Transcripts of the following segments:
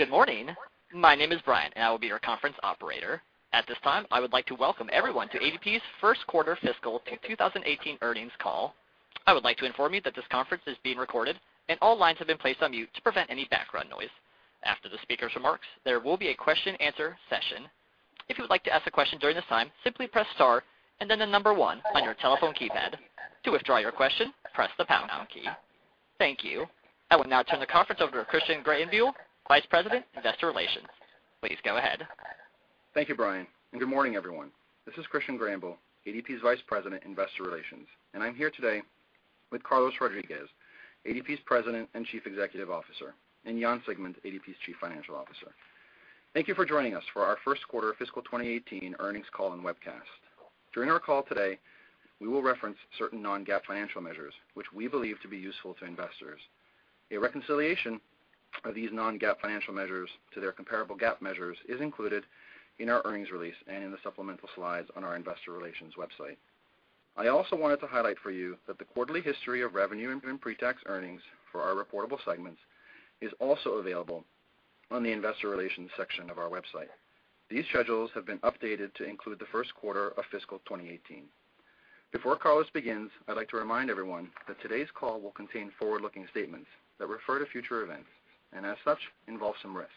Good morning. My name is Brian, and I will be your conference operator. At this time, I would like to welcome everyone to ADP's first quarter fiscal 2018 earnings call. I would like to inform you that this conference is being recorded, and all lines have been placed on mute to prevent any background noise. After the speaker's remarks, there will be a question-answer session. If you would like to ask a question during this time, simply press star then the number 1 on your telephone keypad. To withdraw your question, press the pound key. Thank you. I would now turn the conference over to Christian Greyenbuhl, Vice President, Investor Relations. Please go ahead. Thank you, Brian, and good morning, everyone. This is Christian Greyenbuhl, ADP's Vice President, Investor Relations, and I am here today with Carlos Rodriguez, ADP's President and Chief Executive Officer, and Jan Siegmund, ADP's Chief Financial Officer. Thank you for joining us for our first quarter fiscal 2018 earnings call and webcast. During our call today, we will reference certain non-GAAP financial measures, which we believe to be useful to investors. A reconciliation of these non-GAAP financial measures to their comparable GAAP measures is included in our earnings release and in the supplemental slides on our investor relations website. I also wanted to highlight for you that the quarterly history of revenue and pre-tax earnings for our reportable segments is also available on the investor relations section of our website. These schedules have been updated to include the first quarter of fiscal 2018. Before Carlos begins, I'd like to remind everyone that today's call will contain forward-looking statements that refer to future events, and as such, involve some risk.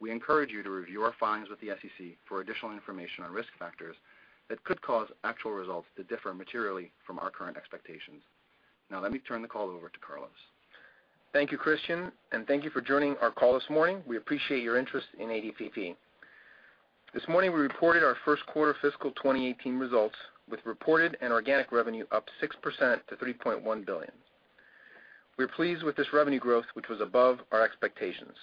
We encourage you to review our filings with the SEC for additional information on risk factors that could cause actual results to differ materially from our current expectations. Let me turn the call over to Carlos. Thank you, Christian, and thank you for joining our call this morning. We appreciate your interest in ADP. This morning, we reported our first quarter fiscal 2018 results with reported and organic revenue up 6% to $3.1 billion. We're pleased with this revenue growth, which was above our expectations.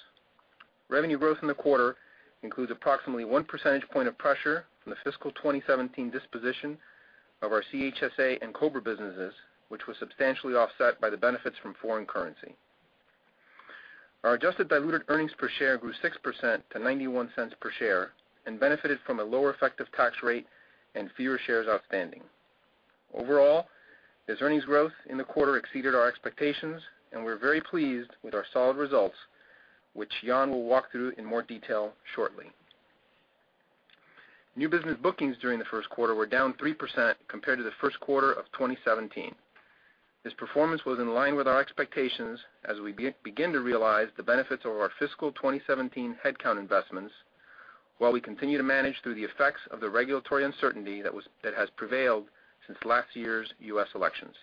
Revenue growth in the quarter includes approximately one percentage point of pressure from the fiscal 2017 disposition of our CHSA and COBRA businesses, which was substantially offset by the benefits from foreign currency. Our adjusted diluted earnings per share grew 6% to $0.91 per share, and benefited from a lower effective tax rate and fewer shares outstanding. Overall, this earnings growth in the quarter exceeded our expectations, and we're very pleased with our solid results, which Jan will walk through in more detail shortly. New business bookings during the first quarter were down 3% compared to the first quarter of 2017. This performance was in line with our expectations as we begin to realize the benefits of our fiscal 2017 headcount investments, while we continue to manage through the effects of the regulatory uncertainty that has prevailed since last year's U.S. elections.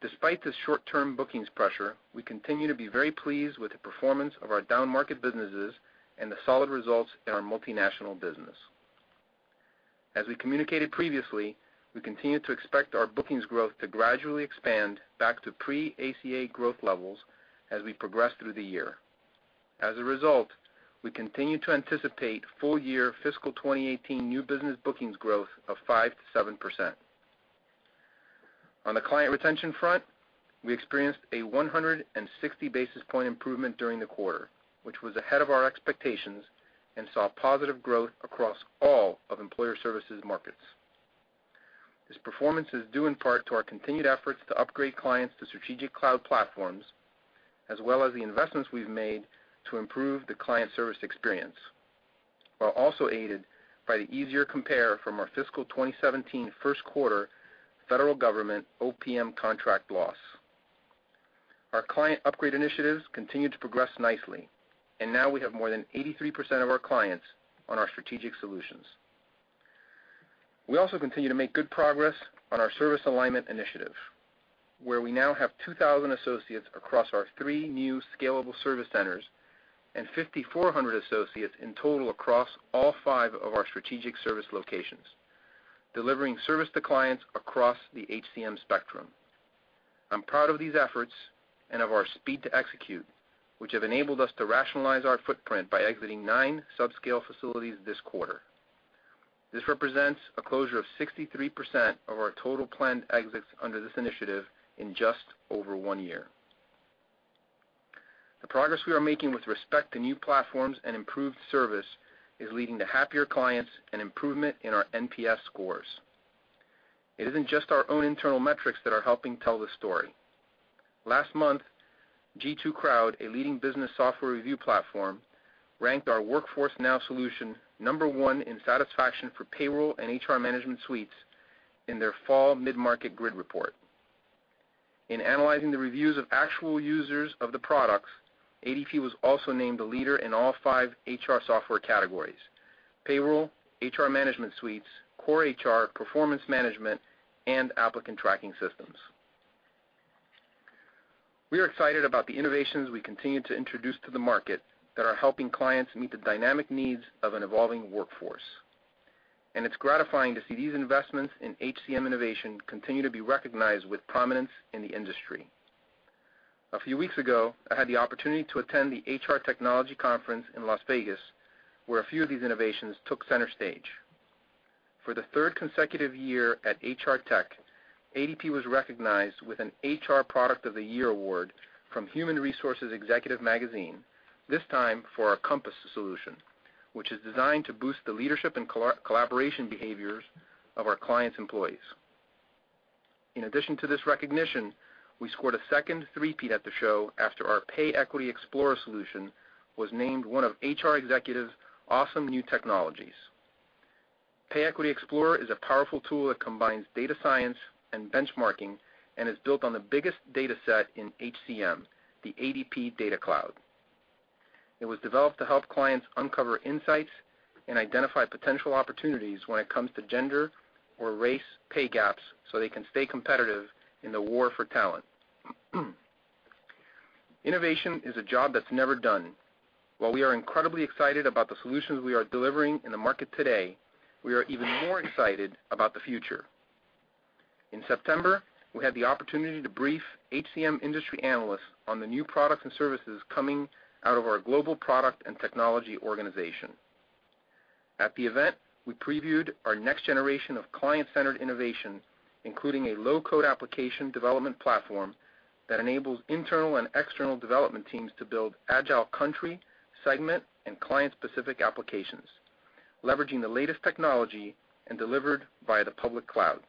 Despite this short-term bookings pressure, we continue to be very pleased with the performance of our downmarket businesses and the solid results in our multinational business. As we communicated previously, we continue to expect our bookings growth to gradually expand back to pre-ACA growth levels as we progress through the year. As a result, we continue to anticipate full-year fiscal 2018 new business bookings growth of 5%-7%. On the client retention front, we experienced a 160-basis-point improvement during the quarter, which was ahead of our expectations and saw positive growth across all of Employer Services markets. This performance is due in part to our continued efforts to upgrade clients to strategic cloud platforms, as well as the investments we've made to improve the client service experience, while also aided by the easier compare from our fiscal 2017 first quarter federal government OPM contract loss. Our client upgrade initiatives continue to progress nicely, and now we have more than 83% of our clients on our strategic solutions. We also continue to make good progress on our service alignment initiative, where we now have 2,000 associates across our three new scalable service centers and 5,400 associates in total across all five of our strategic service locations, delivering service to clients across the HCM spectrum. I'm proud of these efforts and of our speed to execute, which have enabled us to rationalize our footprint by exiting nine sub-scale facilities this quarter. This represents a closure of 63% of our total planned exits under this initiative in just over one year. The progress we are making with respect to new platforms and improved service is leading to happier clients and improvement in our NPS scores. It isn't just our own internal metrics that are helping tell the story. Last month, G2 Crowd, a leading business software review platform, ranked our Workforce Now solution number 1 in satisfaction for payroll and HR management suites in their Fall Mid-Market Grid Report. In analyzing the reviews of actual users of the products, ADP was also named the leader in all five HR software categories: payroll, HR management suites, core HR, performance management, and applicant tracking systems. We are excited about the innovations we continue to introduce to the market that are helping clients meet the dynamic needs of an evolving workforce. It's gratifying to see these investments in HCM innovation continue to be recognized with prominence in the industry. A few weeks ago, I had the opportunity to attend the HR Technology Conference in Las Vegas, where a few of these innovations took center stage. For the third consecutive year at HR Tech, ADP was recognized with a Top HR Products of the Year award from Human Resource Executive magazine, this time for our Compass solution, which is designed to boost the leadership and collaboration behaviors of our clients' employees. In addition to this recognition, we scored a second three-peat at the show after our Pay Equity Explorer solution was named one of HR Executive's Awesome New Technologies. Pay Equity Explorer is a powerful tool that combines data science and benchmarking and is built on the biggest data set in HCM, the ADP DataCloud. It was developed to help clients uncover insights and identify potential opportunities when it comes to gender or race pay gaps so they can stay competitive in the war for talent. Innovation is a job that's never done. While we are incredibly excited about the solutions we are delivering in the market today, we are even more excited about the future. In September, we had the opportunity to brief HCM industry analysts on the new products and services coming out of our global product and technology organization. At the event, we previewed our next generation of client-centered innovation, including a low-code application development platform that enables internal and external development teams to build agile country, segment, and client-specific applications, leveraging the latest technology and delivered via the public cloud.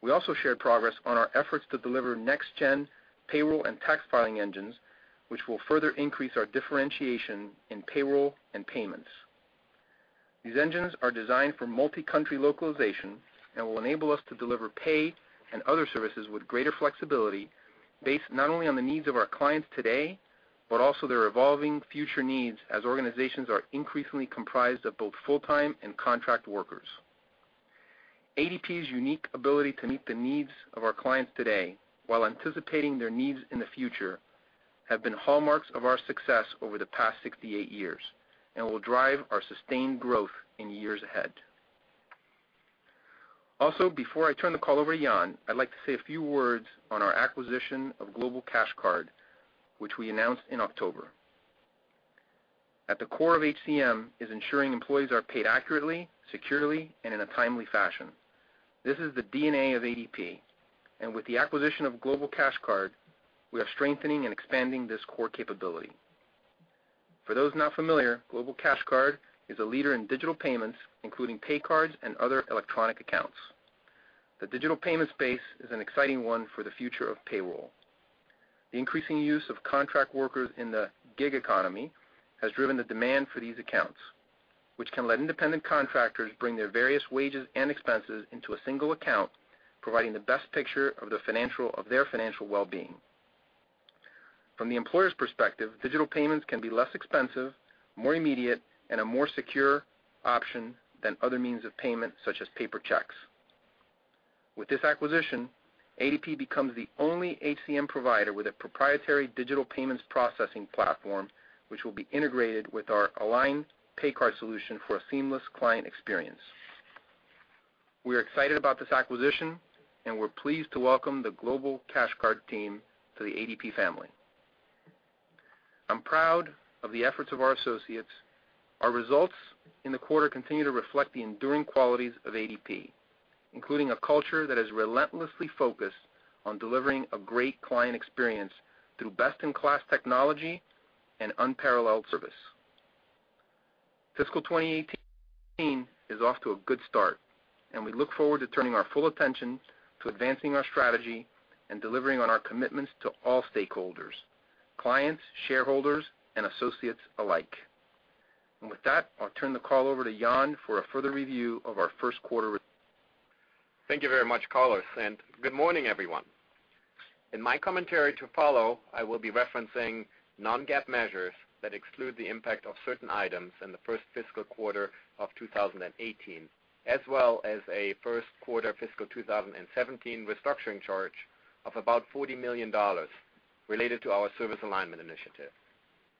We also shared progress on our efforts to deliver next-gen payroll and tax filing engines, which will further increase our differentiation in payroll and payments. These engines are designed for multi-country localization and will enable us to deliver pay and other services with greater flexibility based not only on the needs of our clients today, but also their evolving future needs as organizations are increasingly comprised of both full-time and contract workers. ADP's unique ability to meet the needs of our clients today, while anticipating their needs in the future, have been hallmarks of our success over the past 68 years and will drive our sustained growth in the years ahead. Also, before I turn the call over to Jan, I'd like to say a few words on our acquisition of Global Cash Card, which we announced in October. At the core of HCM is ensuring employees are paid accurately, securely, and in a timely fashion. This is the DNA of ADP, and with the acquisition of Global Cash Card, we are strengthening and expanding this core capability. For those not familiar, Global Cash Card is a leader in digital payments, including pay cards and other electronic accounts. The digital payment space is an exciting one for the future of payroll. The increasing use of contract workers in the gig economy has driven the demand for these accounts, which can let independent contractors bring their various wages and expenses into a single account, providing the best picture of their financial well-being. From the employer's perspective, digital payments can be less expensive, more immediate, and a more secure option than other means of payment, such as paper checks. With this acquisition, ADP becomes the only HCM provider with a proprietary digital payments processing platform, which will be integrated with our Aline Pay Card solution for a seamless client experience. We're excited about this acquisition and we're pleased to welcome the Global Cash Card team to the ADP family. I'm proud of the efforts of our associates. Our results in the quarter continue to reflect the enduring qualities of ADP, including a culture that is relentlessly focused on delivering a great client experience through best-in-class technology and unparalleled service. Fiscal 2018 is off to a good start, we look forward to turning our full attention to advancing our strategy and delivering on our commitments to all stakeholders, clients, shareholders, and associates alike. With that, I'll turn the call over to Jan for a further review of our first quarter. Thank you very much, Carlos. Good morning, everyone. In my commentary to follow, I will be referencing non-GAAP measures that exclude the impact of certain items in the first fiscal quarter of 2018, as well as a first quarter fiscal 2017 restructuring charge of about $40 million related to our service alignment initiative.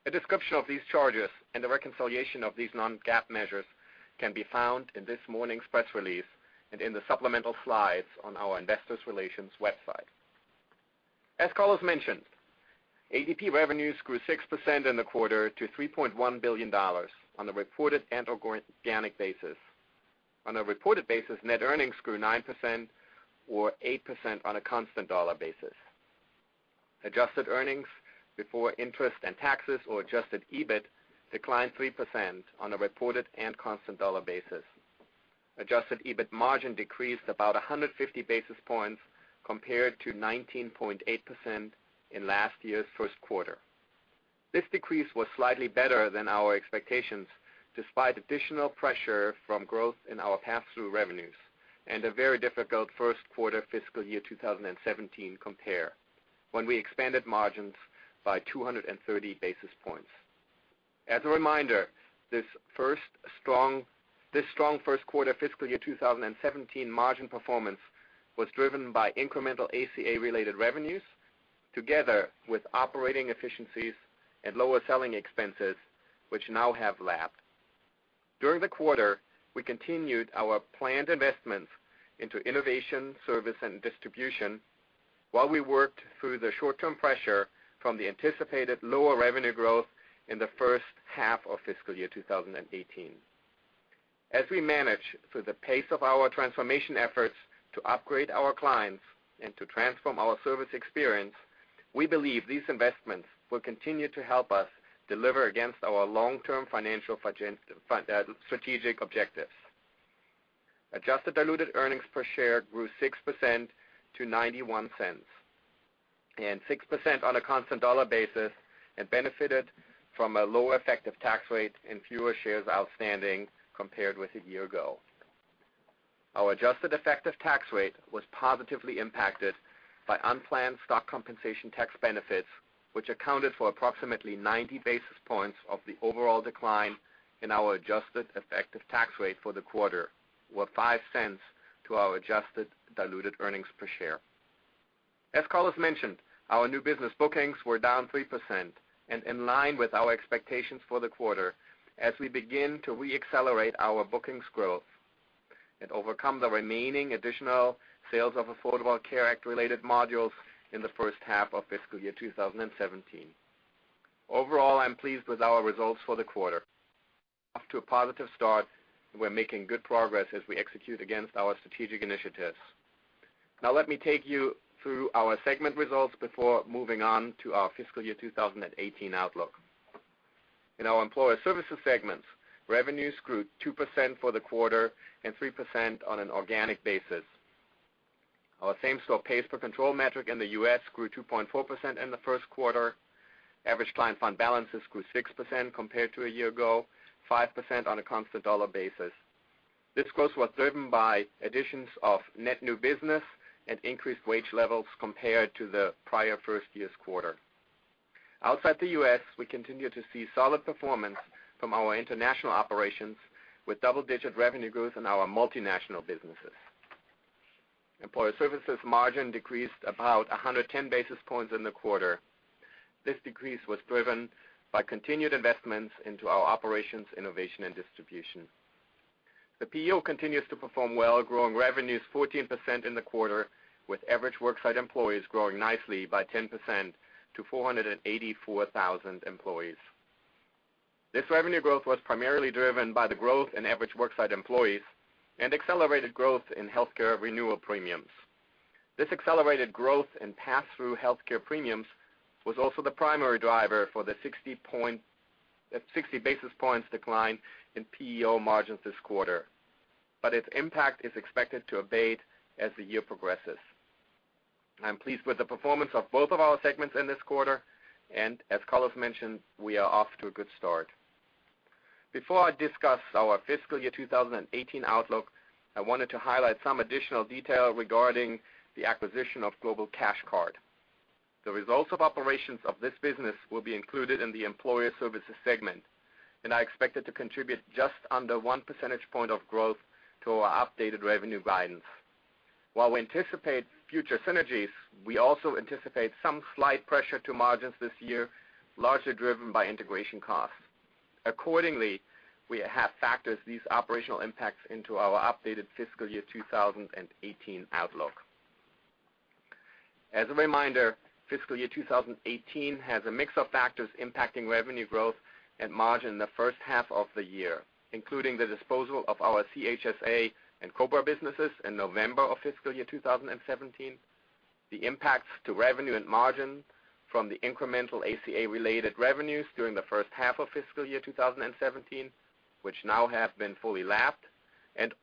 A description of these charges and the reconciliation of these non-GAAP measures can be found in this morning's press release and in the supplemental slides on our investor relations website. As Carlos mentioned, ADP revenues grew 6% in the quarter to $3.1 billion on a reported and organic basis. On a reported basis, net earnings grew 9%, or 8% on a constant dollar basis. Adjusted earnings before interest and taxes, or adjusted EBIT, declined 3% on a reported and constant dollar basis. Adjusted EBIT margin decreased about 150 basis points compared to 19.8% in last year's first quarter. This decrease was slightly better than our expectations, despite additional pressure from growth in our pass-through revenues and a very difficult first quarter fiscal year 2017 compare, when we expanded margins by 230 basis points. As a reminder, this strong first quarter fiscal year 2017 margin performance was driven by incremental ACA-related revenues together with operating efficiencies and lower selling expenses, which now have lapped. During the quarter, we continued our planned investments into innovation, service, and distribution while we worked through the short-term pressure from the anticipated lower revenue growth in the first half of fiscal year 2018. As we manage through the pace of our transformation efforts to upgrade our clients and to transform our service experience. We believe these investments will continue to help us deliver against our long-term financial strategic objectives. Adjusted diluted earnings per share grew 6% to $0.91, and 6% on a constant dollar basis, and benefited from a lower effective tax rate and fewer shares outstanding compared with a year ago. Our adjusted effective tax rate was positively impacted by unplanned stock compensation tax benefits, which accounted for approximately 90 basis points of the overall decline in our adjusted effective tax rate for the quarter, or $0.05 to our adjusted diluted earnings per share. As Carlos mentioned, our new business bookings were down 3% and in line with our expectations for the quarter as we begin to re-accelerate our bookings growth and overcome the remaining additional sales of Affordable Care Act related modules in the first half of fiscal year 2017. Overall, I'm pleased with our results for the quarter. Off to a positive start, we're making good progress as we execute against our strategic initiatives. Now let me take you through our segment results before moving on to our fiscal year 2018 outlook. In our Employer Services segments, revenues grew 2% for the quarter and 3% on an organic basis. Our same-store pays per control metric in the U.S. grew 2.4% in the first quarter. Average client fund balances grew 6% compared to a year ago, 5% on a constant dollar basis. This growth was driven by additions of net new business and increased wage levels compared to the prior first year's quarter. Outside the U.S., we continue to see solid performance from our international operations, with double-digit revenue growth in our multinational businesses. Employer Services margin decreased about 110 basis points in the quarter. This decrease was driven by continued investments into our operations, innovation and distribution. The PEO continues to perform well, growing revenues 14% in the quarter, with average worksite employees growing nicely by 10% to 484,000 employees. This revenue growth was primarily driven by the growth in average worksite employees and accelerated growth in healthcare renewal premiums. This accelerated growth in pass-through healthcare premiums was also the primary driver for the 60 basis points decline in PEO margins this quarter, but its impact is expected to abate as the year progresses. I'm pleased with the performance of both of our segments in this quarter, as Carlos mentioned, we are off to a good start. Before I discuss our fiscal year 2018 outlook, I wanted to highlight some additional detail regarding the acquisition of Global Cash Card. The results of operations of this business will be included in the Employer Services segment, I expect it to contribute just under one percentage point of growth to our updated revenue guidance. While we anticipate future synergies, we also anticipate some slight pressure to margins this year, largely driven by integration costs. Accordingly, we have factored these operational impacts into our updated fiscal year 2018 outlook. As a reminder, fiscal year 2018 has a mix of factors impacting revenue growth and margin in the first half of the year, including the disposal of our CHSA and COBRA businesses in November of fiscal year 2017, the impacts to revenue and margin from the incremental ACA-related revenues during the first half of fiscal year 2017, which now have been fully lapped.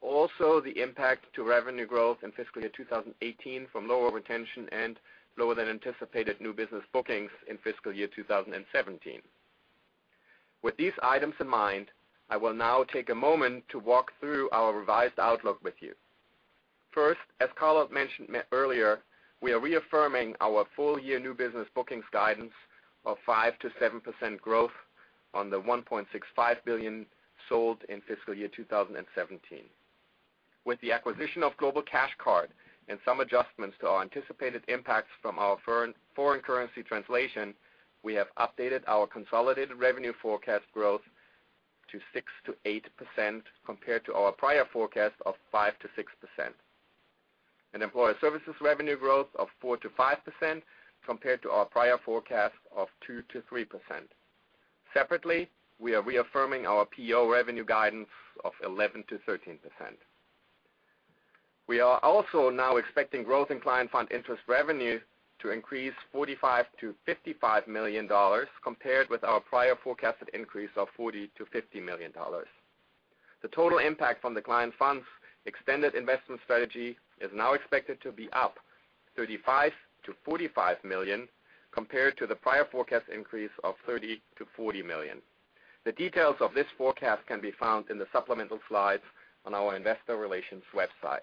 Also the impact to revenue growth in fiscal year 2018 from lower retention and lower than anticipated new business bookings in fiscal year 2017. With these items in mind, I will now take a moment to walk through our revised outlook with you. First, as Carlos mentioned earlier, we are reaffirming our full year new business bookings guidance of 5%-7% growth on the $1.65 billion sold in fiscal year 2017. With the acquisition of Global Cash Card and some adjustments to our anticipated impacts from our foreign currency translation, we have updated our consolidated revenue forecast growth to 6%-8%, compared to our prior forecast of 5%-6%. Employer Services revenue growth of 4%-5%, compared to our prior forecast of 2%-3%. Separately, we are reaffirming our PEO revenue guidance of 11%-13%. We are also now expecting growth in client fund interest revenue to increase $45 million-$55 million, compared with our prior forecasted increase of $40 million-$50 million. The total impact from the client funds extended investment strategy is now expected to be up $35 million-$45 million, compared to the prior forecast increase of $30 million-$40 million. The details of this forecast can be found in the supplemental slides on our investor relations website.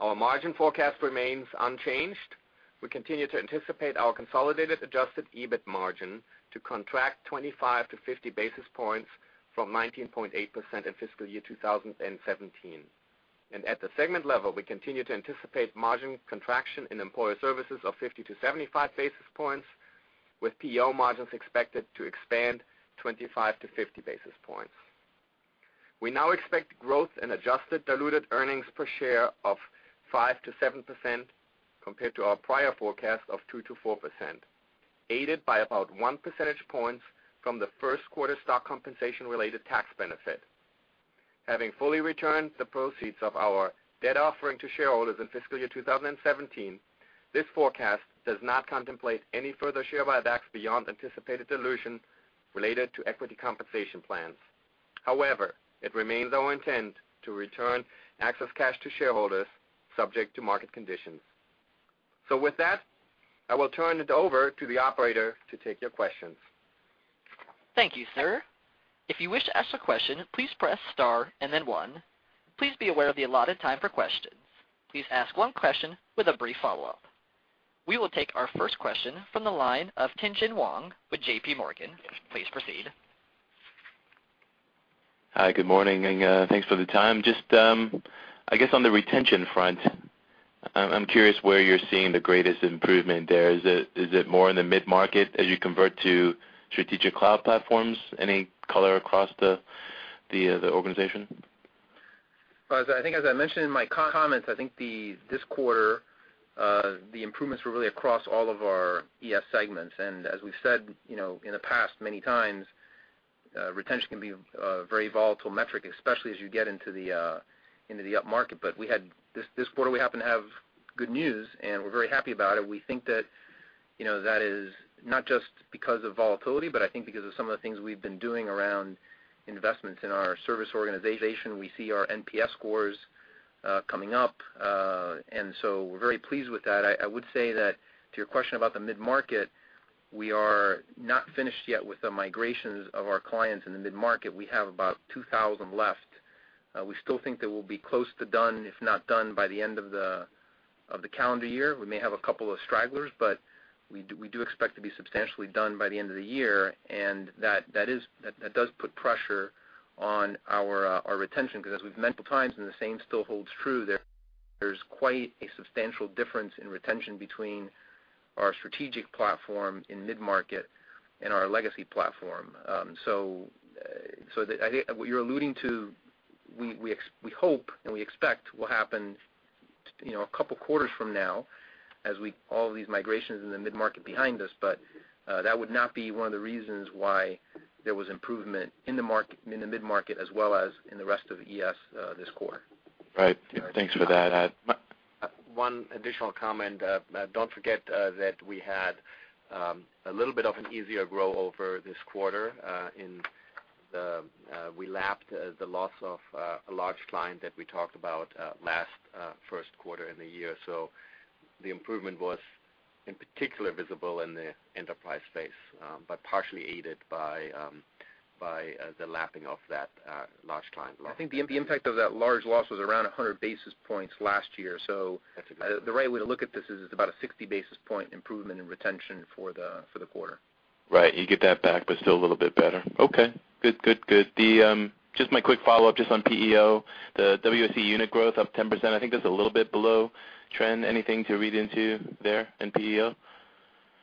Our margin forecast remains unchanged. We continue to anticipate our consolidated adjusted EBIT margin to contract 25-50 basis points from 19.8% in fiscal year 2017. At the segment level, we continue to anticipate margin contraction in Employer Services of 50-75 basis points, with PEO margins expected to expand 25-50 basis points. We now expect growth in adjusted diluted earnings per share of 5%-7%, compared to our prior forecast of 2%-4%, aided by about one percentage point from the first quarter stock compensation-related tax benefit. Having fully returned the proceeds of our debt offering to shareholders in fiscal year 2017, this forecast does not contemplate any further share buybacks beyond anticipated dilution related to equity compensation plans. It remains our intent to return excess cash to shareholders, subject to market conditions. With that, I will turn it over to the operator to take your questions. Thank you, sir. If you wish to ask a question, please press star and then one. Please be aware of the allotted time for questions. Please ask one question with a brief follow-up. We will take our first question from the line of Tien-Tsin Huang with JPMorgan. Please proceed. Hi, good morning, and thanks for the time. I guess on the retention front, I'm curious where you're seeing the greatest improvement there. Is it more in the mid-market as you convert to strategic cloud platforms? Any color across the organization? I think, as I mentioned in my comments, I think this quarter, the improvements were really across all of our ES segments. As we've said in the past many times, retention can be a very volatile metric, especially as you get into the upmarket. This quarter, we happen to have good news, and we're very happy about it. We think that is not just because of volatility, but I think because of some of the things we've been doing around investments in our service organization. We see our NPS scores coming up, and so we're very pleased with that. I would say that to your question about the mid-market, we are not finished yet with the migrations of our clients in the mid-market. We have about 2,000 left. We still think that we'll be close to done, if not done, by the end of the calendar year. We may have a couple of stragglers, but we do expect to be substantially done by the end of the year. That does put pressure on our retention, because as we've mentioned times, and the same still holds true, there's quite a substantial difference in retention between our strategic platform in mid-market and our legacy platform. What you're alluding to, we hope and we expect will happen a couple of quarters from now as all of these migrations in the mid-market behind us, but that would not be one of the reasons why there was improvement in the mid-market as well as in the rest of the ES this quarter. Right. Thanks for that. One additional comment. Don't forget that we had a little bit of an easier grow over this quarter, and we lapped the loss of a large client that we talked about last first quarter in the year. The improvement was in particular visible in the enterprise space, but partially aided by the lapping of that large client loss. I think the impact of that large loss was around 100 basis points last year. That's a good point. The right way to look at this is it's about a 60 basis point improvement in retention for the quarter. Right. You get that back, but still a little bit better. Okay. Good. Just my quick follow-up, just on PEO, the WSE unit growth up 10%, I think that's a little bit below trend. Anything to read into there in PEO?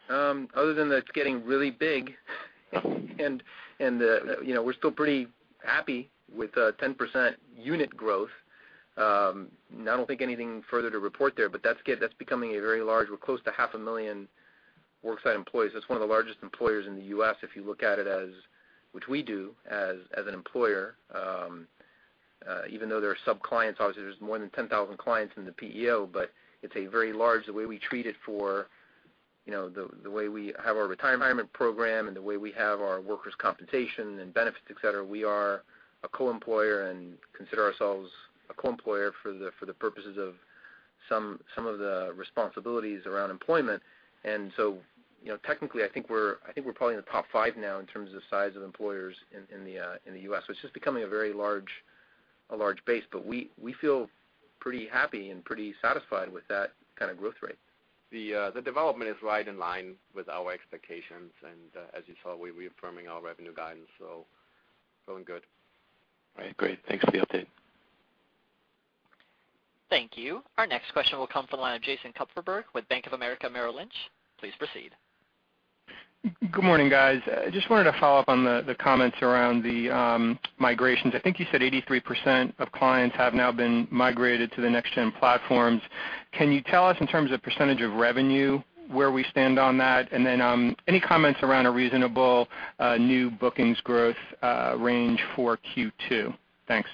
Other than that it's getting really big, and we're still pretty happy with a 10% unit growth. I don't think anything further to report there, but that's becoming very large. We're close to half a million worksite employees. That's one of the largest employers in the U.S., if you look at it as, which we do, as an employer, even though there are sub-clients. Obviously, there's more than 10,000 clients in the PEO, but it's very large the way we treat it for the way we have our retirement program and the way we have our workers' compensation and benefits, et cetera. We are a co-employer and consider ourselves a co-employer for the purposes of some of the responsibilities around employment. Technically, I think we're probably in the top five now in terms of size of employers in the U.S. It's just becoming a very large base, but we feel pretty happy and pretty satisfied with that kind of growth rate. The development is right in line with our expectations. As you saw, we're reaffirming our revenue guidance, so going good. Right. Great. Thanks for the update. Thank you. Our next question will come from the line of Jason Kupferberg with Bank of America Merrill Lynch. Please proceed. Good morning, guys. I just wanted to follow up on the comments around the migrations. I think you said 83% of clients have now been migrated to the next gen platforms. Can you tell us in terms of percentage of revenue, where we stand on that? And then any comments around a reasonable new bookings growth range for Q2? Thanks.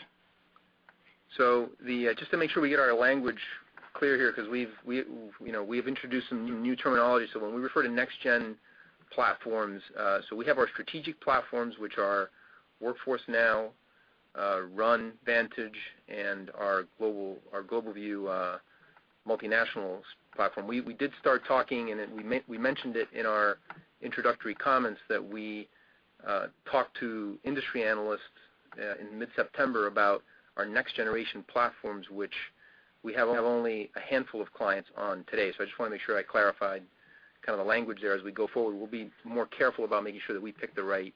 Just to make sure we get our language clear here, because we've introduced some new terminology. When we refer to next gen platforms, we have our strategic platforms, which are Workforce Now, RUN, Vantage, and our GlobalView multinationals platform. We did start talking, and we mentioned it in our introductory comments that we talked to industry analysts in mid-September about our next generation platforms, which we have only a handful of clients on today. I just want to make sure I clarified the language there as we go forward. We'll be more careful about making sure that we pick the right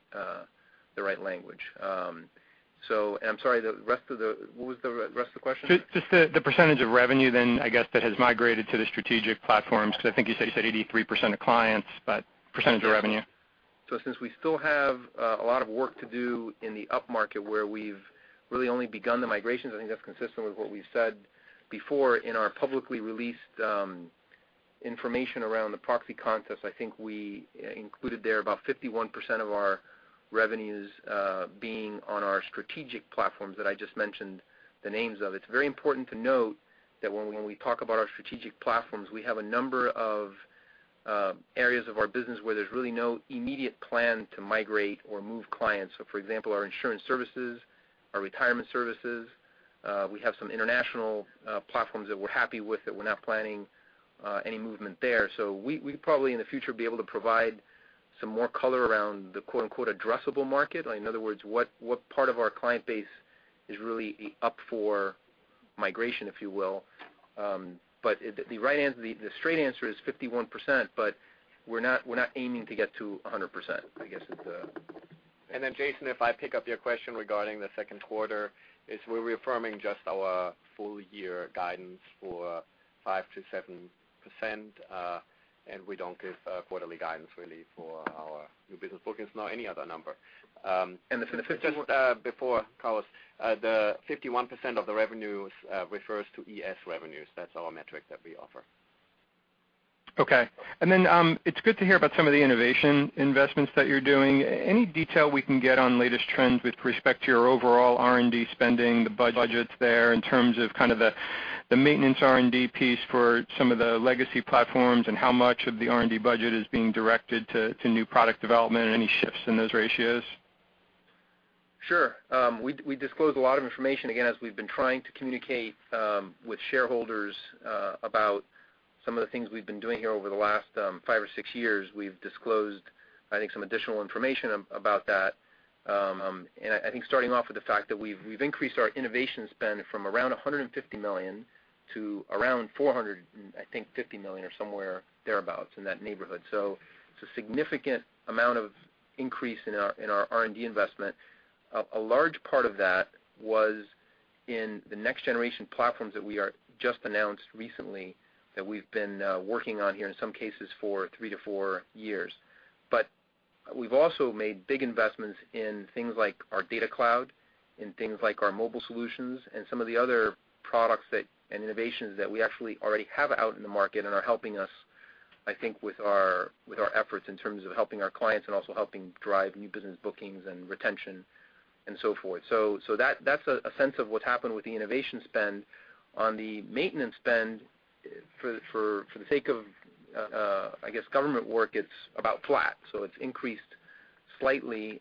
language. I'm sorry, what was the rest of the question? Just the percentage of revenue, I guess, that has migrated to the strategic platforms, because I think you said 83% of clients, but percentage of revenue. Since we still have a lot of work to do in the upmarket where we've really only begun the migrations, I think that's consistent with what we've said before in our publicly released information around the proxy contest, I think we included there about 51% of our revenues being on our strategic platforms that I just mentioned the names of. It's very important to note that when we talk about our strategic platforms, we have a number of areas of our business where there's really no immediate plan to migrate or move clients. For example, our insurance services, our retirement services, we have some international platforms that we're happy with that we're not planning any movement there. We'd probably, in the future, be able to provide some more color around the, quote-unquote, addressable market. In other words, what part of our client base is really up for migration, if you will. The straight answer is 51%, but we're not aiming to get to 100%, I guess. Jason, if I pick up your question regarding the second quarter, is we're reaffirming just our full year guidance for 5%-7%, and we don't give quarterly guidance, really, for our new business bookings, nor any other number. The 51- Just before, Carlos, the 51% of the revenues refers to ES revenues. That's our metric that we offer. It's good to hear about some of the innovation investments that you're doing. Any detail we can get on latest trends with respect to your overall R&D spending, the budgets there in terms of the maintenance R&D piece for some of the legacy platforms, and how much of the R&D budget is being directed to new product development, and any shifts in those ratios? We disclose a lot of information, again, as we've been trying to communicate with shareholders about some of the things we've been doing here over the last five or six years. We've disclosed, I think, some additional information about that. I think starting off with the fact that we've increased our innovation spend from around $150 million to around $400, I think, 50 million or somewhere thereabout, in that neighborhood. It's a significant amount of increase in our R&D investment. A large part of that was in the next-generation platforms that we just announced recently that we've been working on here, in some cases, for three to four years. We've also made big investments in things like our ADP DataCloud, in things like our mobile solutions, and some of the other products and innovations that we actually already have out in the market and are helping us, I think, with our efforts in terms of helping our clients and also helping drive new business bookings and retention and so forth. That's a sense of what's happened with the innovation spend. On the maintenance spend, for the sake of government work, it's about flat. It's increased slightly.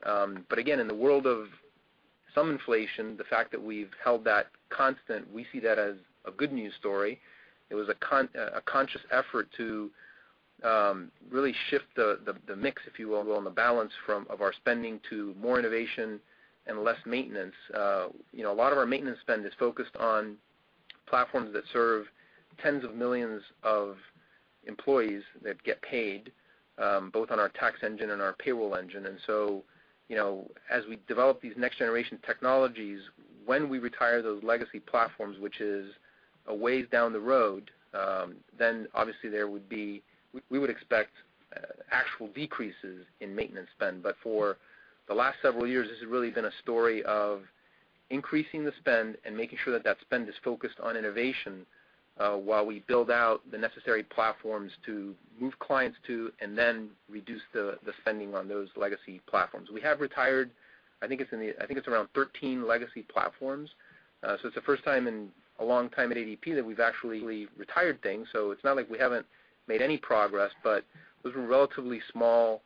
Again, in the world of some inflation, the fact that we've held that constant, we see that as a good news story. It was a conscious effort to really shift the mix, if you will, on the balance of our spending to more innovation and less maintenance. A lot of our maintenance spend is focused on platforms that serve tens of millions of employees that get paid, both on our tax engine and our payroll engine. As we develop these next-generation technologies, when we retire those legacy platforms, which is a ways down the road, then obviously we would expect actual decreases in maintenance spend. For the last several years, this has really been a story of increasing the spend and making sure that that spend is focused on innovation while we build out the necessary platforms to move clients to, and then reduce the spending on those legacy platforms. We have retired, I think it's around 13 legacy platforms. It's the first time in a long time at ADP that we've actually retired things. It's not like we haven't made any progress, but those were relatively small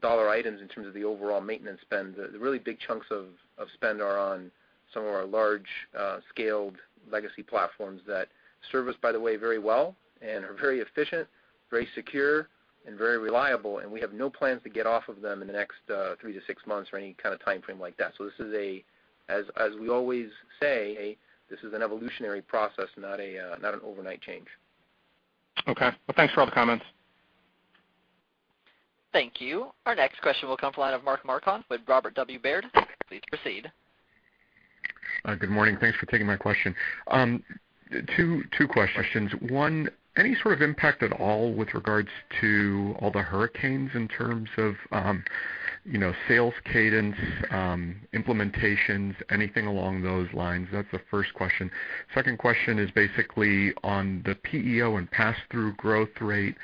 dollar items in terms of the overall maintenance spend. The really big chunks of spend are on some of our large-scaled legacy platforms that serve us, by the way, very well and are very efficient, very secure, and very reliable, and we have no plans to get off of them in the next three to six months or any timeframe like that. This is a, as we always say, this is an evolutionary process, not an overnight change. Okay. Well, thanks for all the comments. Thank you. Our next question will come from the line of Mark Marcon with Robert W. Baird. Please proceed. Good morning. Thanks for taking my question. Two questions. One, any sort of impact at all with regards to all the hurricanes in terms of sales cadence, implementations, anything along those lines? That's the first question. Second question is basically on the PEO and pass-through growth rate.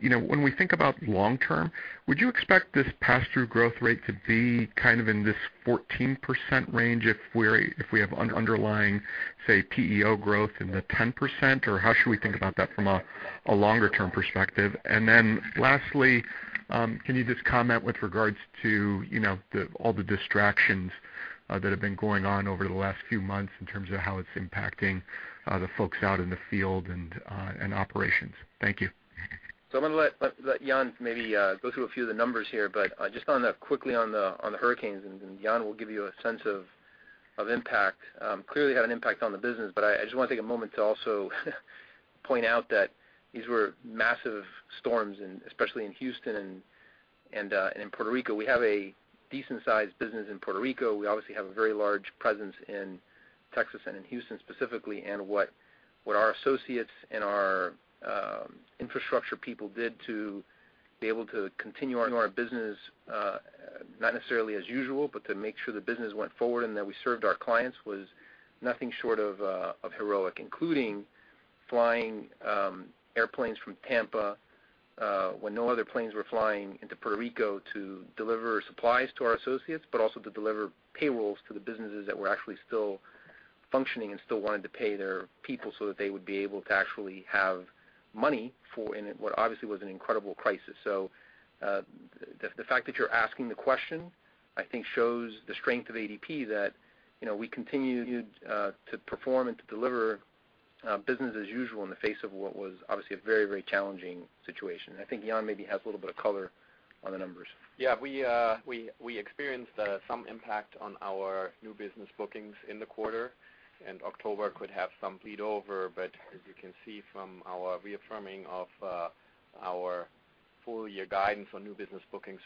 When we think about long term, would you expect this pass-through growth rate to be in this 14% range if we have underlying, say, PEO growth in the 10%, or how should we think about that from a longer-term perspective? Lastly, can you just comment with regards to all the distractions that have been going on over the last few months in terms of how it's impacting the folks out in the field and operations? Thank you. I'm going to let Jan maybe go through a few of the numbers here, just quickly on the hurricanes, and Jan will give you a sense of impact. Clearly had an impact on the business, I just want to take a moment to also point out that these were massive storms, especially in Houston and in Puerto Rico. We have a decent-sized business in Puerto Rico. We obviously have a very large presence in Texas and in Houston specifically, and what our associates and our infrastructure people did to be able to continue our business, not necessarily as usual, to make sure the business went forward and that we served our clients was nothing short of heroic. Including flying airplanes from Tampa, when no other planes were flying into Puerto Rico to deliver supplies to our associates, also to deliver payrolls to the businesses that were actually still functioning and still wanted to pay their people so that they would be able to actually have money in what obviously was an incredible crisis. The fact that you're asking the question, I think shows the strength of ADP that we continued to perform and to deliver business as usual in the face of what was obviously a very challenging situation. I think Jan maybe has a little bit of color on the numbers. We experienced some impact on our new business bookings in the quarter, October could have some bleed over, but as you can see from our reaffirming of our full-year guidance on new business bookings,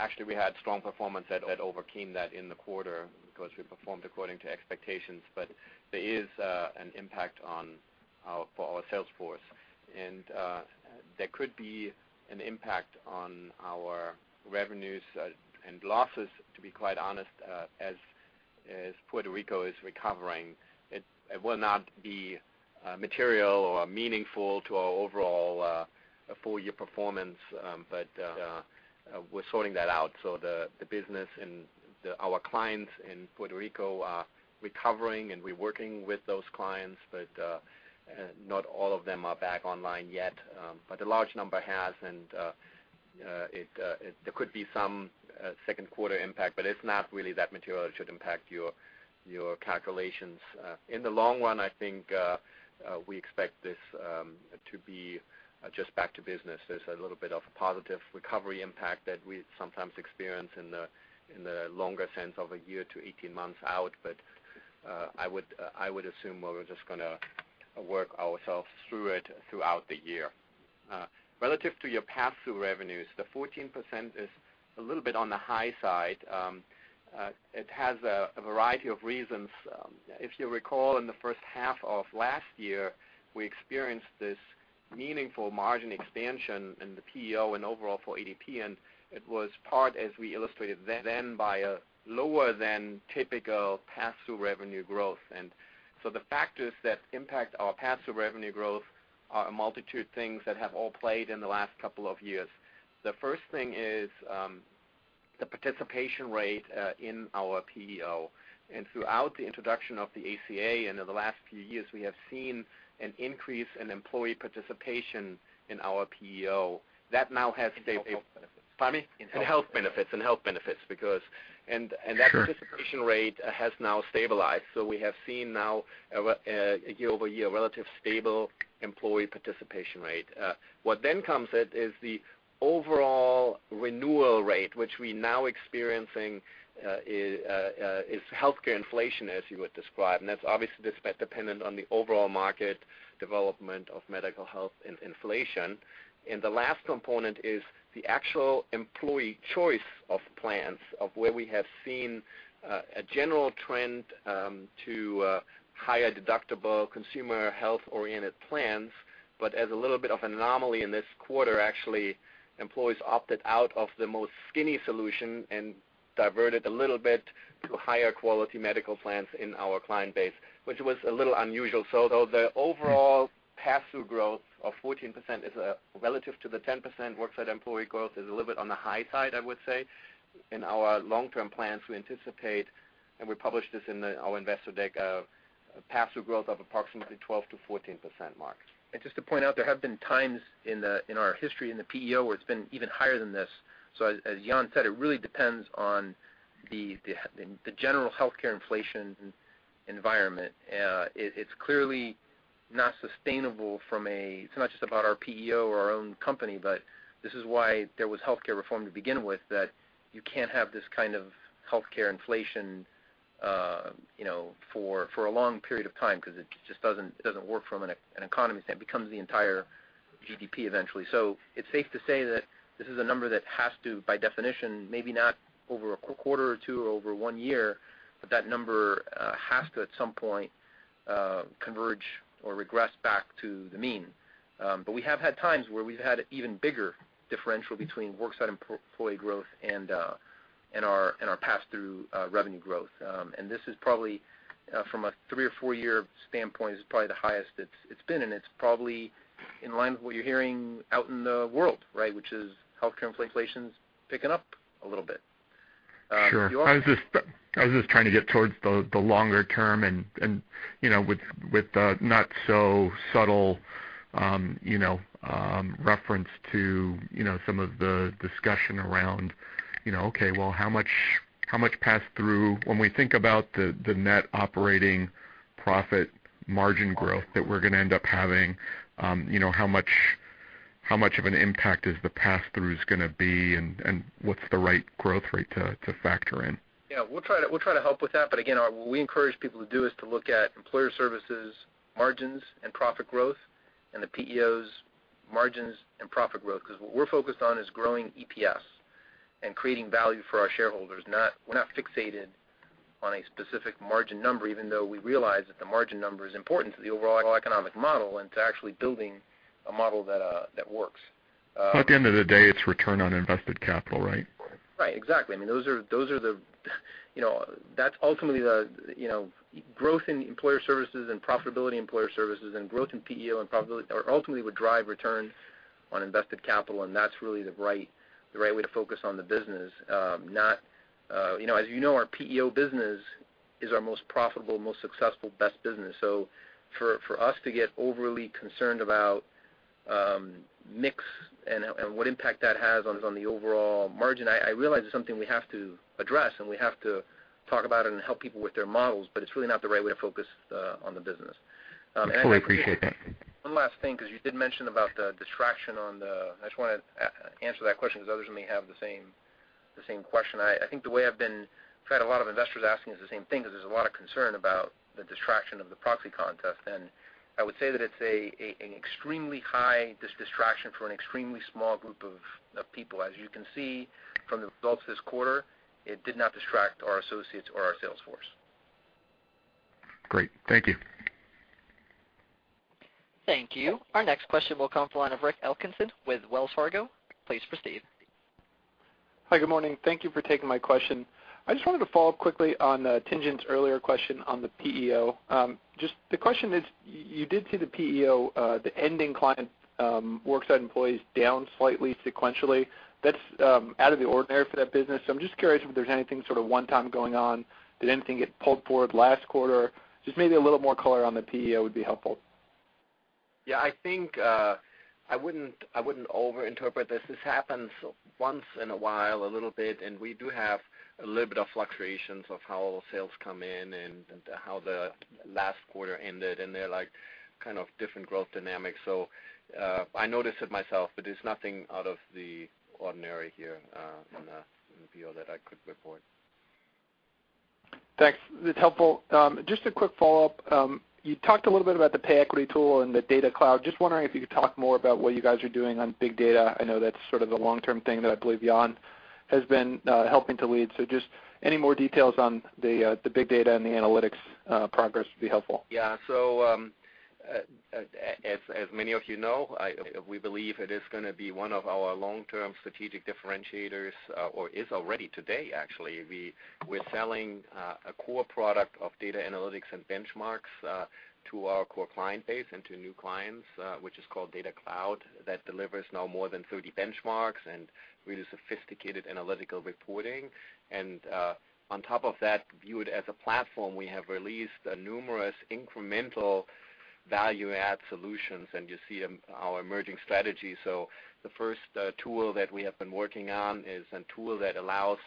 actually we had strong performance that overcame that in the quarter because we performed according to expectations. There is an impact for our sales force. There could be an impact on our revenues and losses, to be quite honest, as Puerto Rico is recovering. It will not be material or meaningful to our overall full-year performance, but we're sorting that out. The business and our clients in Puerto Rico are recovering, and we're working with those clients, but not all of them are back online yet. A large number has, and there could be some second quarter impact, but it's not really that material it should impact your calculations. In the long run, I think we expect this to be just back to business. There's a little bit of a positive recovery impact that we sometimes experience in the longer sense of a year to 18 months out. I would assume we're just going to work ourselves through it throughout the year. Relative to your pass-through revenues, the 14% is a little bit on the high side. It has a variety of reasons. If you recall in the first half of last year, we experienced this meaningful margin expansion in the PEO and overall for ADP, and it was part, as we illustrated then, by a lower than typical pass-through revenue growth. The factors that impact our pass-through revenue growth are a multitude of things that have all played in the last couple of years. The first thing is the participation rate in our PEO, and throughout the introduction of the ACA and in the last few years, we have seen an increase in employee participation in our PEO. That now has- In health benefits. Pardon me? In health benefits. In health benefits. That participation rate has now stabilized. We have seen now a year-over-year relative stable employee participation rate. What then comes is the overall renewal rate, which we now experiencing is healthcare inflation, as you would describe. That's obviously dependent on the overall market development of medical health and inflation. The last component is the actual employee choice of plans, of where we have seen a general trend to higher deductible consumer health-oriented plans. As a little bit of an anomaly in this quarter, actually, employees opted out of the most skinny solution and diverted a little bit to higher quality medical plans in our client base, which was a little unusual. Though the overall pass-through growth of 14% is relative to the 10% worksite employee growth is a little bit on the high side, I would say. In our long-term plans, we anticipate, and we published this in our investor deck, a pass-through growth of approximately 12%-14% mark. Just to point out, there have been times in our history in the PEO where it's been even higher than this. As Jan said, it really depends on the general healthcare inflation environment. It's clearly not sustainable from a, it's not just about our PEO or our own company, but this is why there was healthcare reform to begin with, that you can't have this kind of healthcare inflation for a long period of time because it just doesn't work from an economy standpoint. It becomes the entire GDP eventually. It's safe to say that this is a number that has to, by definition, maybe not over a quarter or two or over one year, but that number has to at some point converge or regress back to the mean. We have had times where we've had even bigger differential between worksite employee growth and our pass-through revenue growth. This is probably from a three or four-year standpoint, this is probably the highest it's been, and it's probably in line with what you're hearing out in the world, right? Which is healthcare inflation's picking up a little bit. Sure. I was just trying to get towards the longer term and with the not so subtle reference to some of the discussion around, okay, well, how much pass-through, when we think about the net operating profit margin growth that we're going to end up having, how much of an impact is the pass-throughs going to be, and what's the right growth rate to factor in? We'll try to help with that, again, what we encourage people to do is to look at Employer Services margins and profit growth, and the PEO's margins and profit growth because what we're focused on is growing EPS and creating value for our shareholders. We're not fixated on a specific margin number, even though we realize that the margin number is important to the overall economic model and to actually building a model that works. At the end of the day, it's return on invested capital, right? Right. Exactly. Growth in Employer Services and profitability in Employer Services and growth in PEO ultimately would drive return on invested capital, and that's really the right way to focus on the business. As you know, our PEO business is our most profitable, most successful, best business. For us to get overly concerned about mix and what impact that has on the overall margin, I realize it's something we have to address, and we have to talk about it and help people with their models, it's really not the right way to focus on the business. I fully appreciate that. One last thing, because you did mention about the distraction. I just want to answer that question because others may have the same question. We've had a lot of investors asking us the same thing, because there's a lot of concern about the distraction of the proxy contest. I would say that it's an extremely high distraction for an extremely small group of people. As you can see from the results this quarter, it did not distract our associates or our sales force. Great. Thank you. Thank you. Our next question will come from the line of Rick Eskelsen with Wells Fargo. Please proceed. Hi. Good morning. Thank you for taking my question. I just wanted to follow up quickly on Tien-Tsin's earlier question on the PEO. The question is, you did see the PEO, the ending client worksite employees down slightly sequentially. That's out of the ordinary for that business. I'm just curious if there's anything one time going on. Did anything get pulled forward last quarter? Just maybe a little more color on the PEO would be helpful. Yeah, I think I wouldn't over-interpret this. This happens once in a while, a little bit. We do have a little bit of fluctuations of how sales come in and how the last quarter ended. They're different growth dynamics. I notice it myself, but it's nothing out of the ordinary here in the PEO that I could report. Thanks. That's helpful. Just a quick follow-up. You talked a little bit about the pay equity tool and the ADP DataCloud. Just wondering if you could talk more about what you guys are doing on big data. I know that's the long-term thing that I believe Jan has been helping to lead. Just any more details on the big data and the analytics progress would be helpful. Yeah. As many of you know, we believe it is going to be one of our long-term strategic differentiators, or is already today, actually. We're selling a core product of data analytics and benchmarks to our core client base and to new clients, which is called ADP DataCloud, that delivers now more than 30 benchmarks and really sophisticated analytical reporting. On top of that, viewed as a platform, we have released numerous incremental value-add solutions, and you see our emerging strategy. The first tool that we have been working on is a tool that allows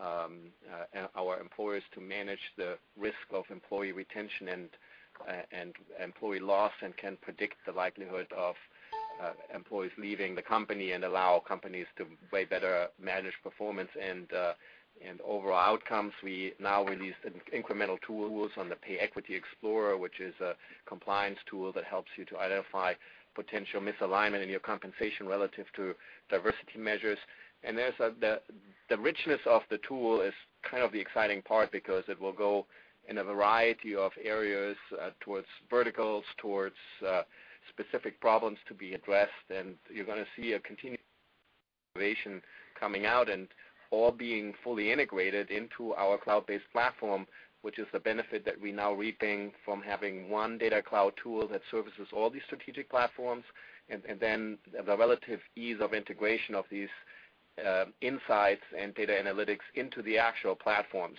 our employers to manage the risk of employee retention and employee loss and can predict the likelihood of employees leaving the company and allow companies to way better manage performance and overall outcomes. We now released incremental tools on the Pay Equity Explorer, which is a compliance tool that helps you to identify potential misalignment in your compensation relative to diversity measures. The richness of the tool is the exciting part because it will go in a variety of areas towards verticals, towards specific problems to be addressed, and you're going to see a continued innovation coming out and all being fully integrated into our cloud-based platform, which is the benefit that we now reaping from having one ADP DataCloud tool that services all these strategic platforms, and then the relative ease of integration of these insights and data analytics into the actual platform.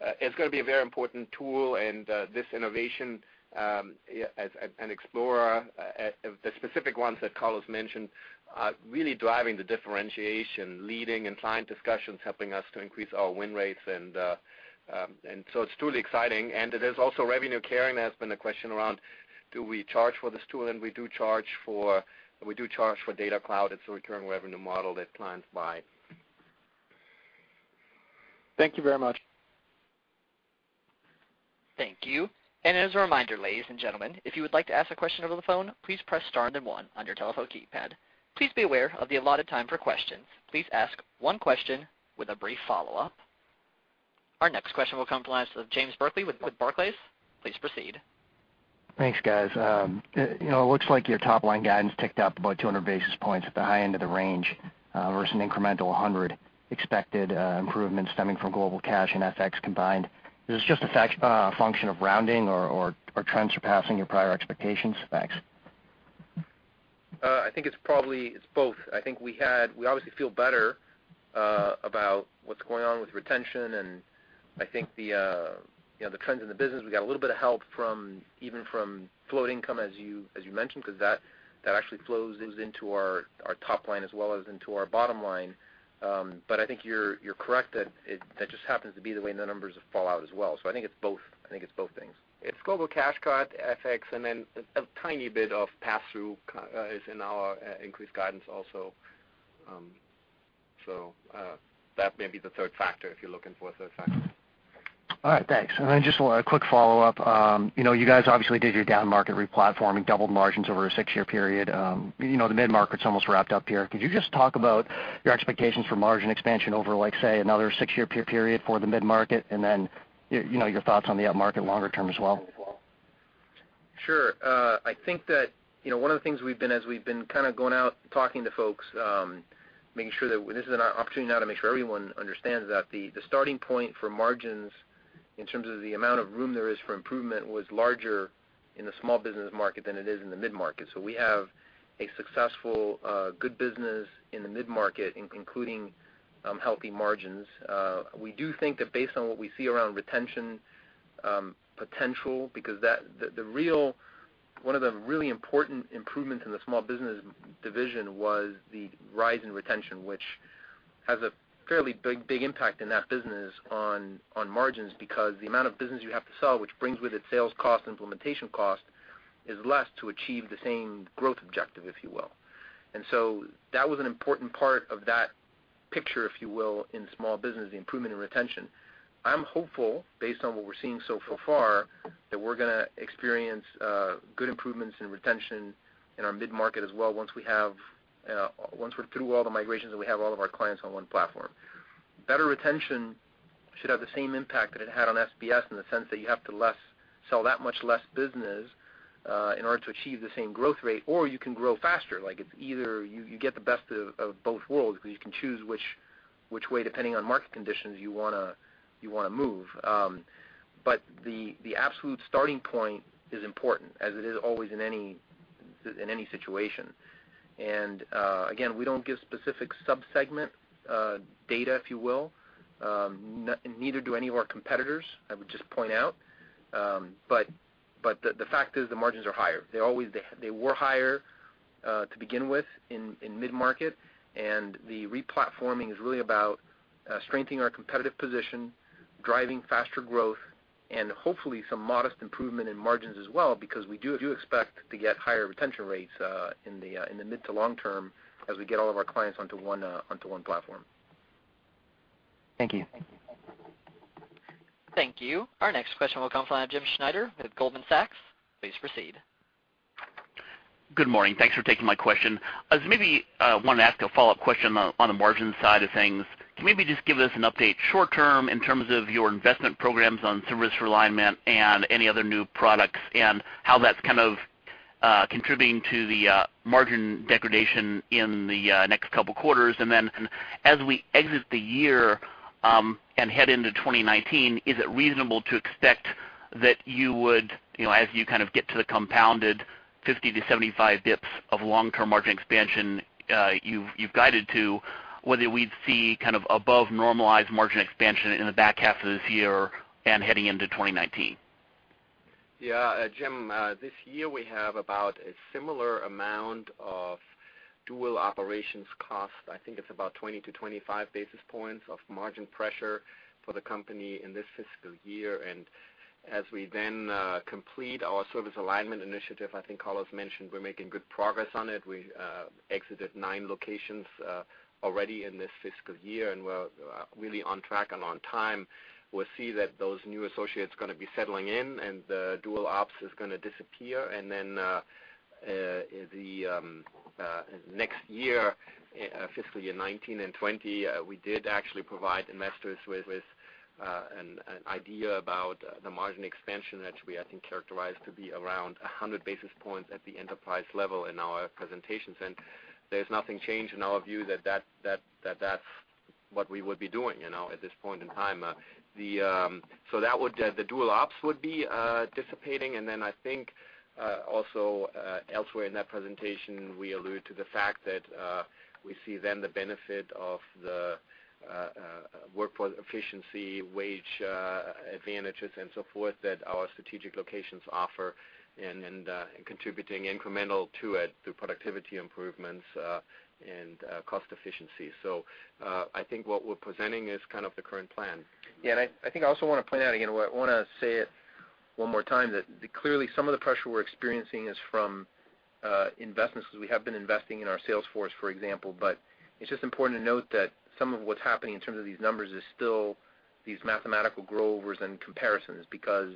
It's going to be a very important tool, and this innovation and Explorer, the specific ones that Carlos mentioned, are really driving the differentiation, leading in client discussions, helping us to increase our win rates. It's truly exciting, and it is also revenue carrying. There has been a question around, do we charge for this tool? We do charge for ADP DataCloud. It's a recurring revenue model that clients buy. Thank you very much. Thank you. As a reminder, ladies and gentlemen, if you would like to ask a question over the phone, please press star then one on your telephone keypad. Please be aware of the allotted time for questions. Please ask one question with a brief follow-up. Our next question will come to the line of James Berkley with Barclays. Please proceed. Thanks, guys. It looks like your top-line guidance ticked up about 200 basis points at the high end of the range versus an incremental 100 expected improvement stemming from Global Cash and FX combined. Is this just a function of rounding or trends surpassing your prior expectations? Thanks. I think it's both. We obviously feel better about what's going on with retention, I think the trends in the business, we got a little bit of help even from float income, as you mentioned, because that actually flows into our top line as well as into our bottom line. I think you're correct that it just happens to be the way the numbers fall out as well. I think it's both things. It's Global Cash Card, FX, and then a tiny bit of pass-through is in our increased guidance also. That may be the third factor if you're looking for a third factor. All right. Thanks. Then just a quick follow-up. You guys obviously did your down market re-platforming, doubled margins over a six-year period. The mid-market's almost wrapped up here. Could you just talk about your expectations for margin expansion over, say, another six-year period for the mid-market, and then your thoughts on the upmarket longer term as well? Sure. I think that one of the things as we've been going out, talking to folks, this is an opportunity now to make sure everyone understands that the starting point for margins in terms of the amount of room there is for improvement was larger in the small business market than it is in the mid-market. We have a successful, good business in the mid-market including healthy margins. We do think that based on what we see around retention potential, because one of the really important improvements in the small business division was the rise in retention, which has a fairly big impact in that business on margins because the amount of business you have to sell, which brings with it sales cost, implementation cost, is less to achieve the same growth objective, if you will. That was an important part of that picture, if you will, in small business, the improvement in retention. I'm hopeful, based on what we're seeing so far, that we're going to experience good improvements in retention in our mid-market as well once we're through all the migrations and we have all of our clients on one platform. Better retention should have the same impact that it had on SBS in the sense that you have to sell that much less business in order to achieve the same growth rate, or you can grow faster. It's either you get the best of both worlds because you can choose which way, depending on market conditions, you want to move. The absolute starting point is important, as it is always in any situation. Again, we don't give specific sub-segment data, if you will. Neither do any of our competitors, I would just point out. The fact is the margins are higher. They were higher to begin with in mid-market, and the re-platforming is really about strengthening our competitive position, driving faster growth, and hopefully some modest improvement in margins as well, because we do expect to get higher retention rates in the mid to long term as we get all of our clients onto one platform. Thank you. Thank you. Our next question will come from James Schneider with Goldman Sachs. Please proceed. Good morning. Thanks for taking my question. I maybe want to ask a follow-up question on the margin side of things. Can you maybe just give us an update short-term in terms of your investment programs on service alignment and any other new products, and how that's contributing to the margin degradation in the next couple of quarters? As we exit the year and head into 2019, is it reasonable to expect that you would, as you get to the compounded 50 to 75 basis points of long-term margin expansion you've guided to, whether we'd see above normalized margin expansion in the back half of this year and heading into 2019? Jim, this year we have about a similar amount of dual operations cost. I think it's about 20 to 25 basis points of margin pressure for the company in this fiscal year. As we then complete our service alignment initiative, I think Carlos mentioned we're making good progress on it. We exited nine locations already in this fiscal year, and we're really on track and on time. We'll see that those new associates are going to be settling in and the dual ops is going to disappear. Then the next year, fiscal year 2019 and 2020, we did actually provide investors with an idea about the margin expansion, which we, I think, characterized to be around 100 basis points at the enterprise level in our presentations. There's nothing changed in our view that's what we would be doing at this point in time. The dual ops would be dissipating, then I think also elsewhere in that presentation, we allude to the fact that we see then the benefit of the workforce efficiency, wage advantages, and so forth that our strategic locations offer, and contributing incremental to it through productivity improvements and cost efficiency. I think what we're presenting is the current plan. Yeah, I think I also want to point out again, I want to say it one more time, that clearly some of the pressure we're experiencing is from investments because we have been investing in our sales force, for example. It's just important to note that some of what's happening in terms of these numbers is still these mathematical grow overs and comparisons, because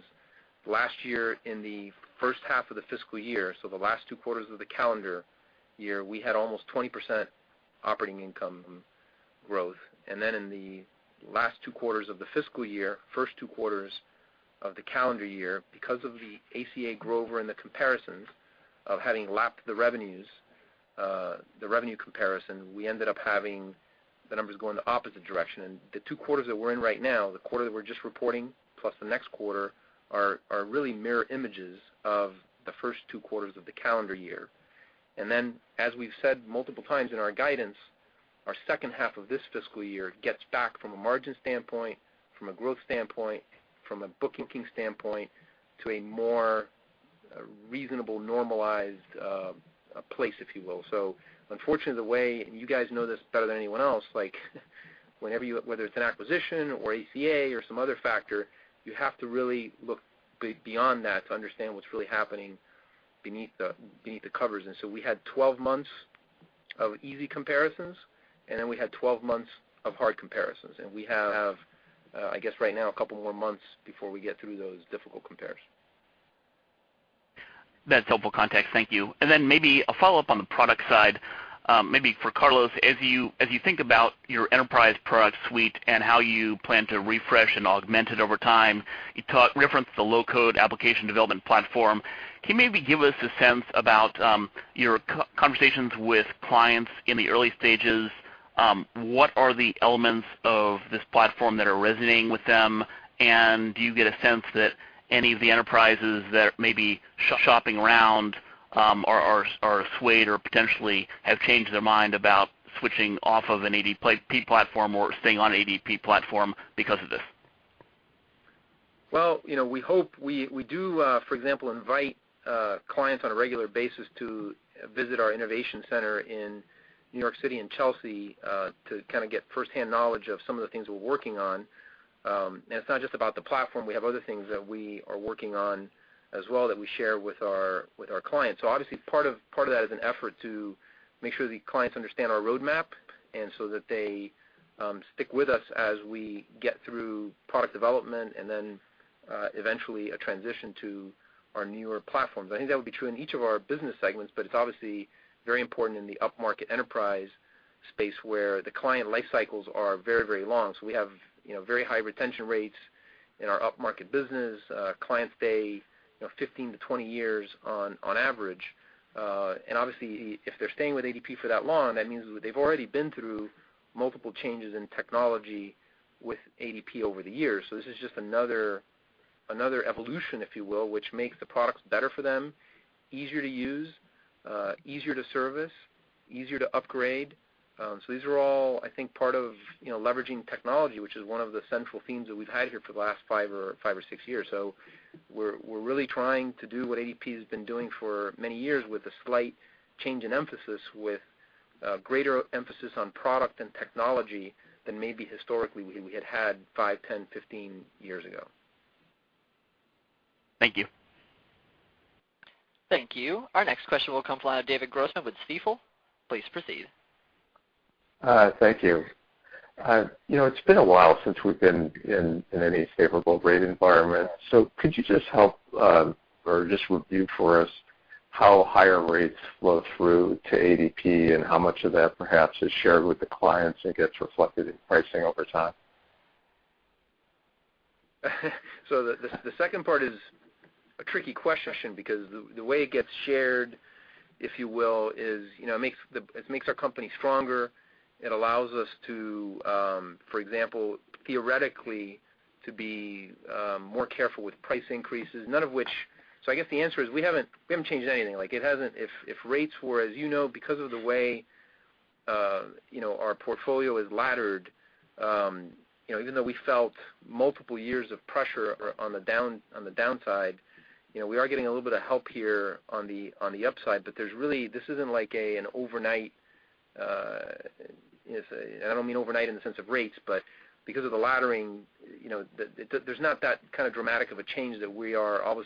last year in the first half of the fiscal year, so the last two quarters of the calendar year, we had almost 20% operating income growth. Then in the last two quarters of the fiscal year, first two quarters of the calendar year, because of the ACA grow over and the comparisons of having lapped the revenue comparison, we ended up having the numbers going the opposite direction. The two quarters that we're in right now, the quarter that we're just reporting, plus the next quarter, are really mirror images of the first two quarters of the calendar year. Then, as we've said multiple times in our guidance, our second half of this fiscal year gets back from a margin standpoint, from a growth standpoint, from a booking standpoint, to a more reasonable, normalized place, if you will. Unfortunately, the way you guys know this better than anyone else, whether it's an acquisition or ACA or some other factor, you have to really look beyond that to understand what's really happening beneath the covers. We had 12 months of easy comparisons, then we had 12 months of hard comparisons. We have, I guess right now, a couple more months before we get through those difficult comparisons. That's helpful context. Thank you. Maybe a follow-up on the product side, maybe for Carlos. As you think about your enterprise product suite and how you plan to refresh and augment it over time, you referenced the low-code application development platform. Can you maybe give us a sense about your conversations with clients in the early stages? What are the elements of this platform that are resonating with them? Do you get a sense that any of the enterprises that may be shopping around are swayed or potentially have changed their mind about switching off of an ADP platform or staying on ADP platform because of this? Well, we do, for example, invite clients on a regular basis to visit our innovation center in New York City in Chelsea, to get firsthand knowledge of some of the things we're working on. It's not just about the platform. We have other things that we are working on as well that we share with our clients. Obviously, part of that is an effort to make sure the clients understand our roadmap, so that they stick with us as we get through product development, eventually a transition to our newer platforms. I think that would be true in each of our business segments, but it's obviously very important in the upmarket enterprise space where the client life cycles are very long. We have very high retention rates in our upmarket business. Clients stay 15 to 20 years on average. Obviously, if they're staying with ADP for that long, that means they've already been through multiple changes in technology with ADP over the years. This is just another evolution, if you will, which makes the products better for them, easier to use, easier to service, easier to upgrade. These are all, I think, part of leveraging technology, which is one of the central themes that we've had here for the last five or six years. We're really trying to do what ADP has been doing for many years with a slight change in emphasis, with greater emphasis on product and technology than maybe historically we had had five, 10, 15 years ago. Thank you. Thank you. Our next question will come from David Grossman with Stifel. Please proceed. Thank you. It's been a while since we've been in any favorable rate environment. Could you just help, or just review for us how higher rates flow through to ADP, and how much of that perhaps is shared with the clients and gets reflected in pricing over time? The second part is a tricky question because the way it gets shared, if you will, is it makes our company stronger. It allows us to, for example, theoretically, to be more careful with price increases. I guess the answer is we haven't changed anything. If rates were, as you know, because of the way our portfolio is laddered, even though we felt multiple years of pressure on the downside, we are getting a little bit of help here on the upside, but this isn't like an overnight I don't mean overnight in the sense of rates, but because of the laddering, there's not that kind of dramatic of a change that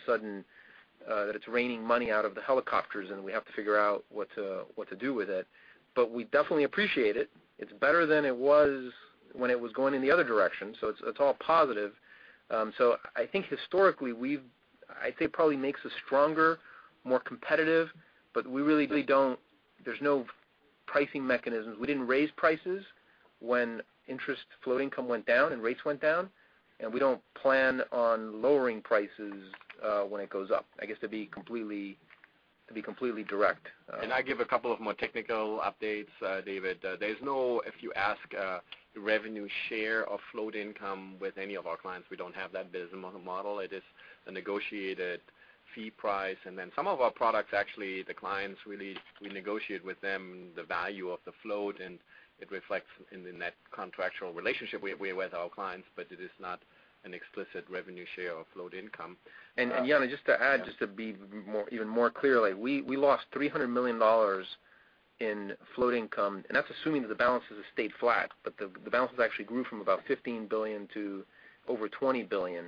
it's raining money out of the helicopters, and we have to figure out what to do with it. We definitely appreciate it. It's better than it was when it was going in the other direction. It's all positive. I think historically, I'd say probably makes us stronger, more competitive, but there's no pricing mechanisms. We didn't raise prices when interest float income went down and rates went down, and we don't plan on lowering prices when it goes up, I guess, to be completely direct. Can I give a couple of more technical updates, David? There's no, if you ask, revenue share of float income with any of our clients. We don't have that business model. It is a negotiated fee price. Some of our products, actually, the clients, really, we negotiate with them the value of the float, and it reflects in the net contractual relationship with our clients, but it is not an explicit revenue share of float income. Jan, just to add, just to be even more clear. We lost $300 million in float income. That's assuming that the balances have stayed flat, but the balances actually grew from about $15 billion to over $20 billion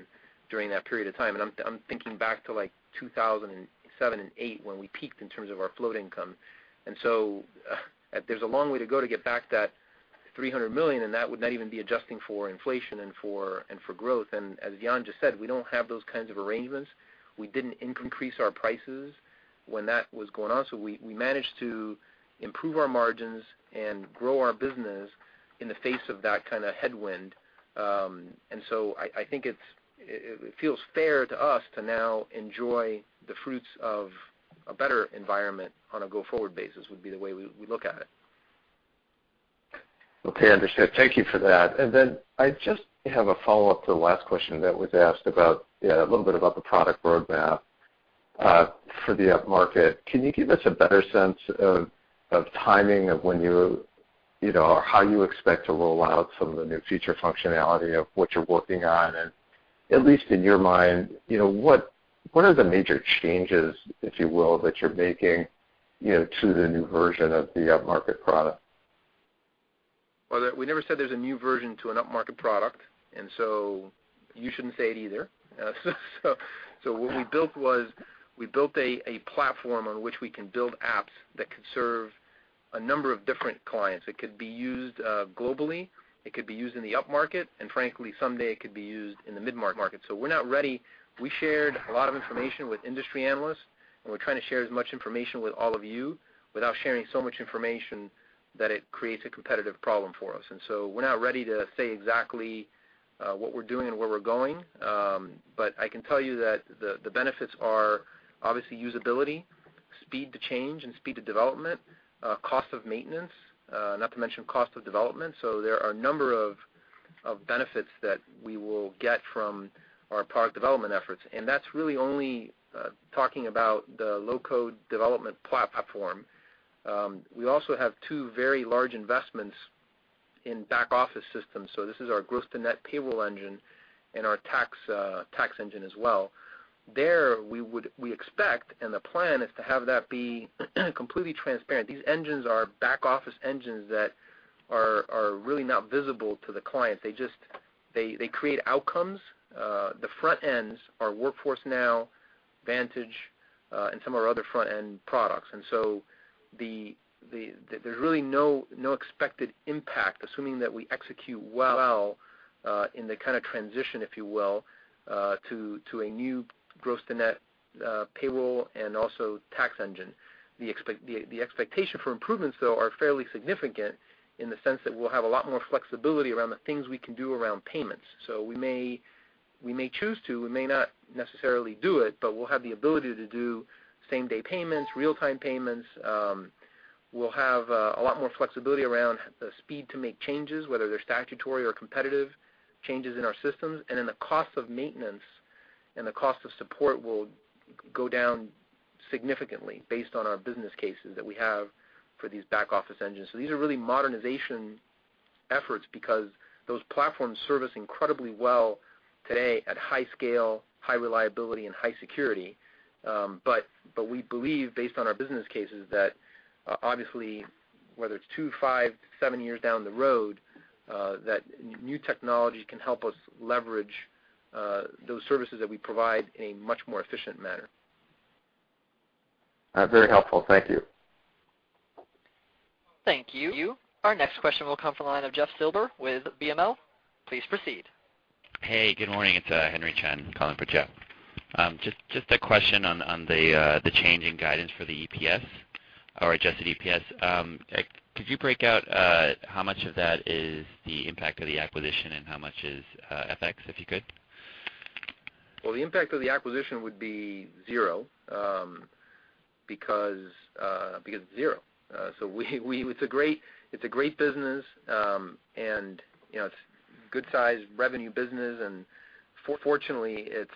during that period of time. I'm thinking back to 2007 and 2008 when we peaked in terms of our float income. There's a long way to go to get back that $300 million, and that would not even be adjusting for inflation and for growth. As Jan just said, we don't have those kinds of arrangements. We didn't increase our prices when that was going on. We managed to improve our margins and grow our business in the face of that kind of headwind. I think it feels fair to us to now enjoy the fruits of a better environment on a go-forward basis, would be the way we look at it. Okay, understood. Thank you for that. I just have a follow-up to the last question that was asked about a little bit about the product roadmap for the upmarket. Can you give us a better sense of timing of how you expect to roll out some of the new feature functionality of what you're working on? At least in your mind, what are the major changes, if you will, that you're making to the new version of the upmarket product? Well, we never said there's a new version to an upmarket product. You shouldn't say it either. What we built was we built a platform on which we can build apps that could serve a number of different clients. It could be used globally, it could be used in the upmarket, and frankly, someday it could be used in the mid-market. We're not ready. We shared a lot of information with industry analysts, and we're trying to share as much information with all of you without sharing so much information that it creates a competitive problem for us. We're not ready to say exactly what we're doing and where we're going. I can tell you that the benefits are obviously usability, speed to change, and speed to development, cost of maintenance, not to mention cost of development. There are a number of benefits that we will get from our product development efforts, and that's really only talking about the low-code development platform. We also have two very large investments in back office systems. This is our gross to net payroll engine and our tax engine as well. There, we expect, and the plan is to have that be completely transparent. These engines are back office engines that are really not visible to the client. They create outcomes. The front ends are Workforce Now, Vantage, and some of our other front-end products. There's really no expected impact, assuming that we execute well in the kind of transition, if you will, to a new gross to net payroll and also tax engine. The expectation for improvements, though, are fairly significant in the sense that we'll have a lot more flexibility around the things we can do around payments. We may choose to, we may not necessarily do it, but we'll have the ability to do same-day payments, real-time payments. We'll have a lot more flexibility around the speed to make changes, whether they're statutory or competitive changes in our systems. The cost of maintenance and the cost of support will go down significantly based on our business cases that we have for these back-office engines. These are really modernization efforts because those platforms service incredibly well today at high scale, high reliability, and high security. We believe, based on our business cases, that obviously, whether it's two, five, seven years down the road, that new technology can help us leverage those services that we provide in a much more efficient manner. Very helpful. Thank you. Thank you. Our next question will come from the line of Jeff Silber with BMO. Please proceed. Hey, good morning. It's Henry Chen calling for Jeff. Just a question on the changing guidance for the EPS or adjusted EPS. Could you break out how much of that is the impact of the acquisition and how much is FX, if you could? The impact of the acquisition would be zero, because zero. It's a great business, and it's good size revenue business, and fortunately, it's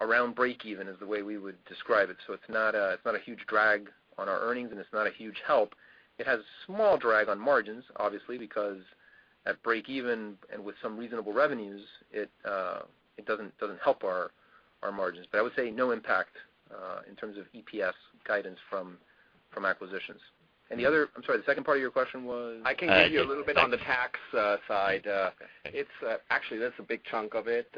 around breakeven is the way we would describe it. It's not a huge drag on our earnings, and it's not a huge help. It has small drag on margins, obviously, because at breakeven and with some reasonable revenues, it doesn't help our margins. I would say no impact in terms of EPS guidance from acquisitions. The other I'm sorry, the second part of your question was? I can give you a little bit on the tax side. Actually, that's a big chunk of it.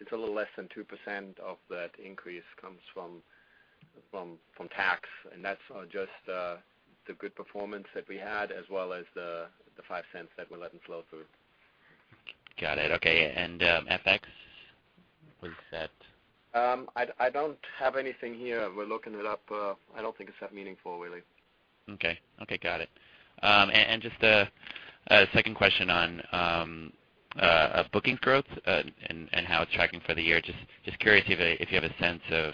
It's a little less than 2% of that increase comes from tax, and that's just the good performance that we had, as well as the $0.05 that we're letting flow through. Got it. Okay. FX, was that? I don't have anything here. We're looking it up. I don't think it's that meaningful, really. Okay. Got it. Just a second question on bookings growth and how it's tracking for the year. Just curious if you have a sense of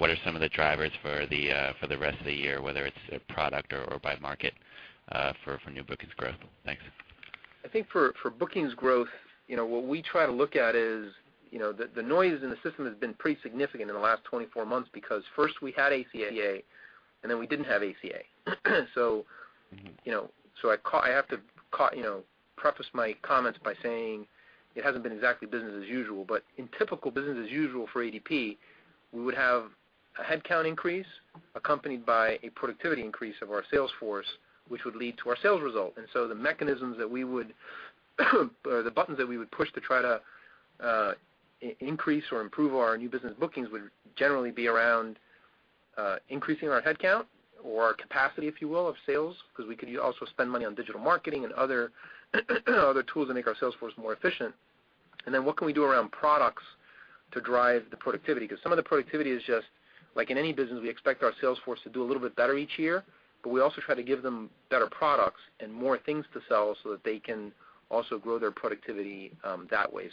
what are some of the drivers for the rest of the year, whether it's a product or by market for new bookings growth. Thanks. I think for bookings growth, what we try to look at is the noise in the system has been pretty significant in the last 24 months because first we had ACA, then we didn't have ACA. I have to preface my comments by saying it hasn't been exactly business as usual, but in typical business as usual for ADP, we would have a headcount increase accompanied by a productivity increase of our sales force, which would lead to our sales result. The mechanisms that we would or the buttons that we would push to try to increase or improve our new business bookings would generally be around increasing our headcount or our capacity, if you will, of sales, because we could also spend money on digital marketing and other tools that make our sales force more efficient. What can we do around products to drive the productivity? Some of the productivity is just like in any business, we expect our sales force to do a little bit better each year, but we also try to give them better products and more things to sell so that they can also grow their productivity that way.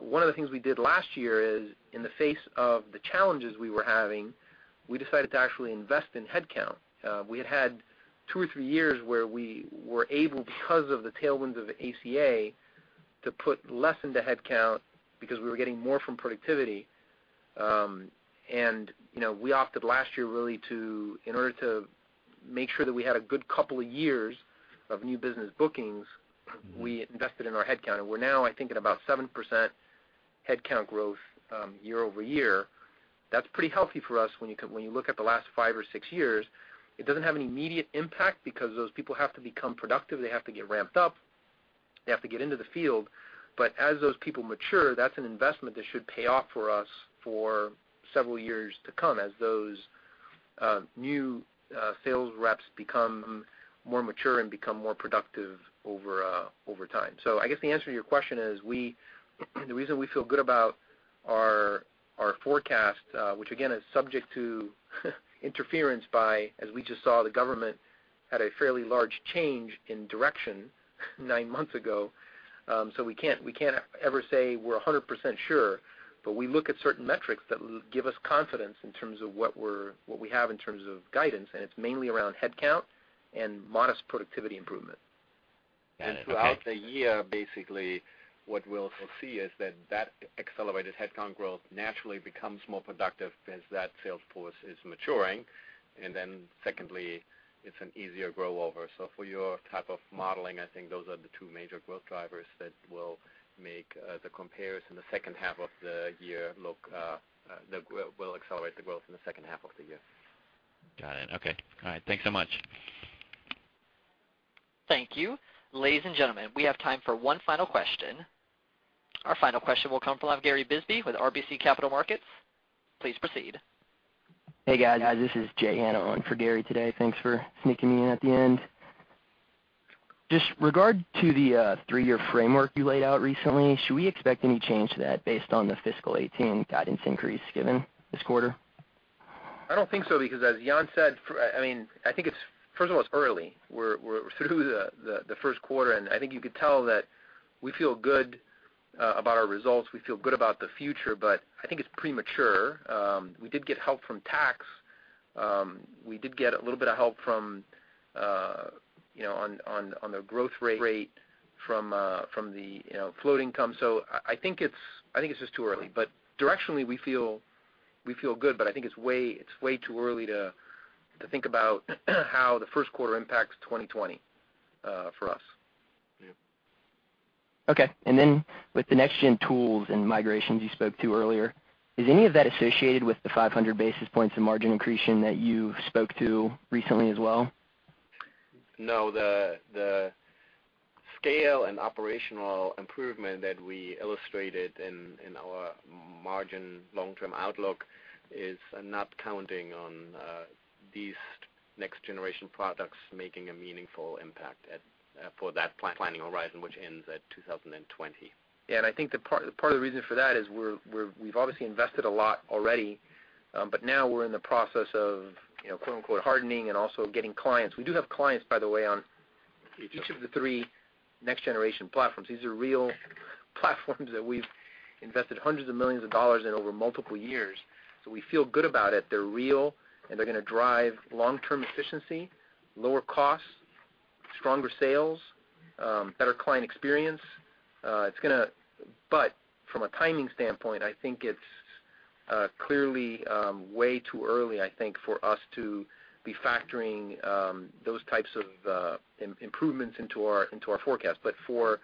One of the things we did last year is, in the face of the challenges we were having, we decided to actually invest in headcount. We had had two or three years where we were able, because of the tailwinds of the ACA, to put less into headcount because we were getting more from productivity. We opted last year really to, in order to make sure that we had a good couple of years of new business bookings- we invested in our headcount, we're now, I think, at about 7% headcount growth year-over-year. That's pretty healthy for us when you look at the last five or six years. It doesn't have any immediate impact because those people have to become productive. They have to get ramped up. They have to get into the field. As those people mature, that's an investment that should pay off for us for several years to come as those new sales reps become more mature and become more productive over time. I guess the answer to your question is, the reason we feel good about our forecast, which again is subject to interference by, as we just saw, the government had a fairly large change in direction nine months ago, we can't ever say we're 100% sure. We look at certain metrics that give us confidence in terms of what we have in terms of guidance, and it's mainly around headcount and modest productivity improvement. Got it. Okay. Throughout the year, basically, what we'll see is that that accelerated headcount growth naturally becomes more productive as that sales force is maturing. Secondly, it's an easier grow over. For your type of modeling, I think those are the two major growth drivers that will make the comparison the second half of the year that will accelerate the growth in the second half of the year. Got it. Okay. All right. Thanks so much. Thank you. Ladies and gentlemen, we have time for one final question. Our final question will come from Gary Bisbee with RBC Capital Markets. Please proceed. Hey, guys. This is Jay in for Gary today. Thanks for sneaking me in at the end. Just regard to the three-year framework you laid out recently, should we expect any change to that based on the fiscal 2018 guidance increase given this quarter? I don't think so, because as Jan said, first of all, it's early. We're through the first quarter, and I think you could tell that we feel good about our results, we feel good about the future, but I think it's premature. We did get help from tax. We did get a little bit of help on the growth rate from the floating income. I think it's just too early. Directionally, we feel good, but I think it's way too early to think about how the first quarter impacts 2020 for us. Yeah. Okay. Then with the next-gen tools and migrations you spoke to earlier, is any of that associated with the 500 basis points and margin accretion that you spoke to recently as well? No. The scale and operational improvement that we illustrated in our margin long-term outlook is not counting on these next generation products making a meaningful impact for that planning horizon, which ends at 2020. Yeah. I think the part of the reason for that is we've obviously invested a lot already, but now we're in the process of, "hardening" and also getting clients. We do have clients, by the way. Yeah each of the three next generation platforms. These are real platforms that we've invested hundreds of millions of dollars in over multiple years. We feel good about it. They're real. They're going to drive long-term efficiency, lower costs, stronger sales, better client experience. From a timing standpoint, I think it's clearly way too early, I think, for us to be factoring those types of improvements into our forecast. There's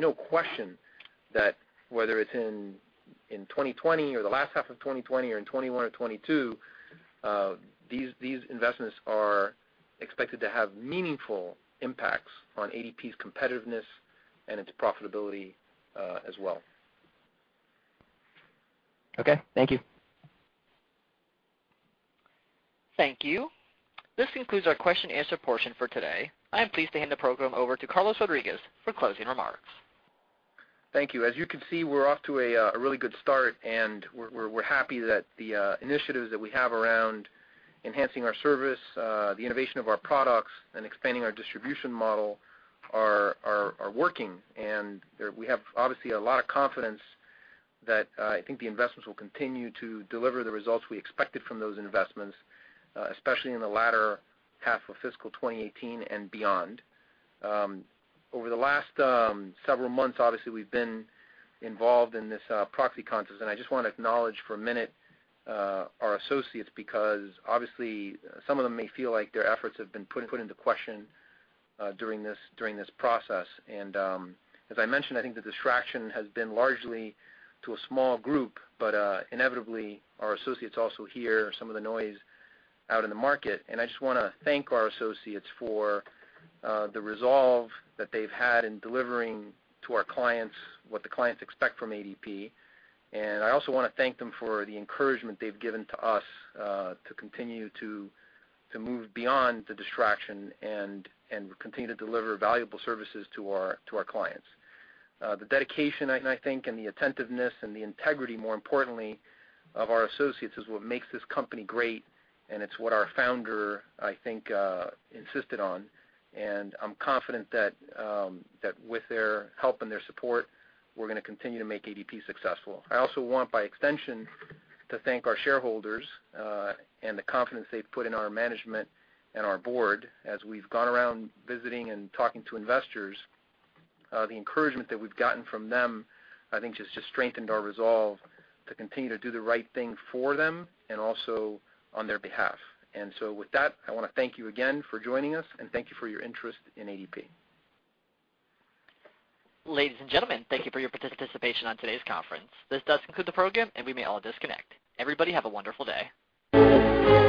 no question that whether it's in 2020 or the last half of 2020 or in 2021 or 2022, these investments are expected to have meaningful impacts on ADP's competitiveness and its profitability as well. Okay. Thank you. Thank you. This concludes our question and answer portion for today. I am pleased to hand the program over to Carlos Rodriguez for closing remarks. Thank you. As you can see, we're off to a really good start, and we're happy that the initiatives that we have around enhancing our service, the innovation of our products, and expanding our distribution model are working. We have, obviously, a lot of confidence that I think the investments will continue to deliver the results we expected from those investments, especially in the latter half of fiscal 2018 and beyond. Over the last several months, obviously, we've been involved in this proxy contest, and I just want to acknowledge for a minute our associates, because obviously some of them may feel like their efforts have been put into question during this process. As I mentioned, I think the distraction has been largely to a small group, but inevitably, our associates also hear some of the noise out in the market, and I just want to thank our associates for the resolve that they've had in delivering to our clients what the clients expect from ADP. I also want to thank them for the encouragement they've given to us to continue to move beyond the distraction, and continue to deliver valuable services to our clients. The dedication, and the attentiveness and the integrity, more importantly, of our associates is what makes this company great, and it's what our founder, I think, insisted on. I'm confident that with their help and their support, we're going to continue to make ADP successful. I also want, by extension, to thank our shareholders and the confidence they've put in our management and our board. As we've gone around visiting and talking to investors, the encouragement that we've gotten from them, I think, has just strengthened our resolve to continue to do the right thing for them and also on their behalf. With that, I want to thank you again for joining us and thank you for your interest in ADP. Ladies and gentlemen, thank you for your participation on today's conference. This does conclude the program, and we may all disconnect. Everybody, have a wonderful day.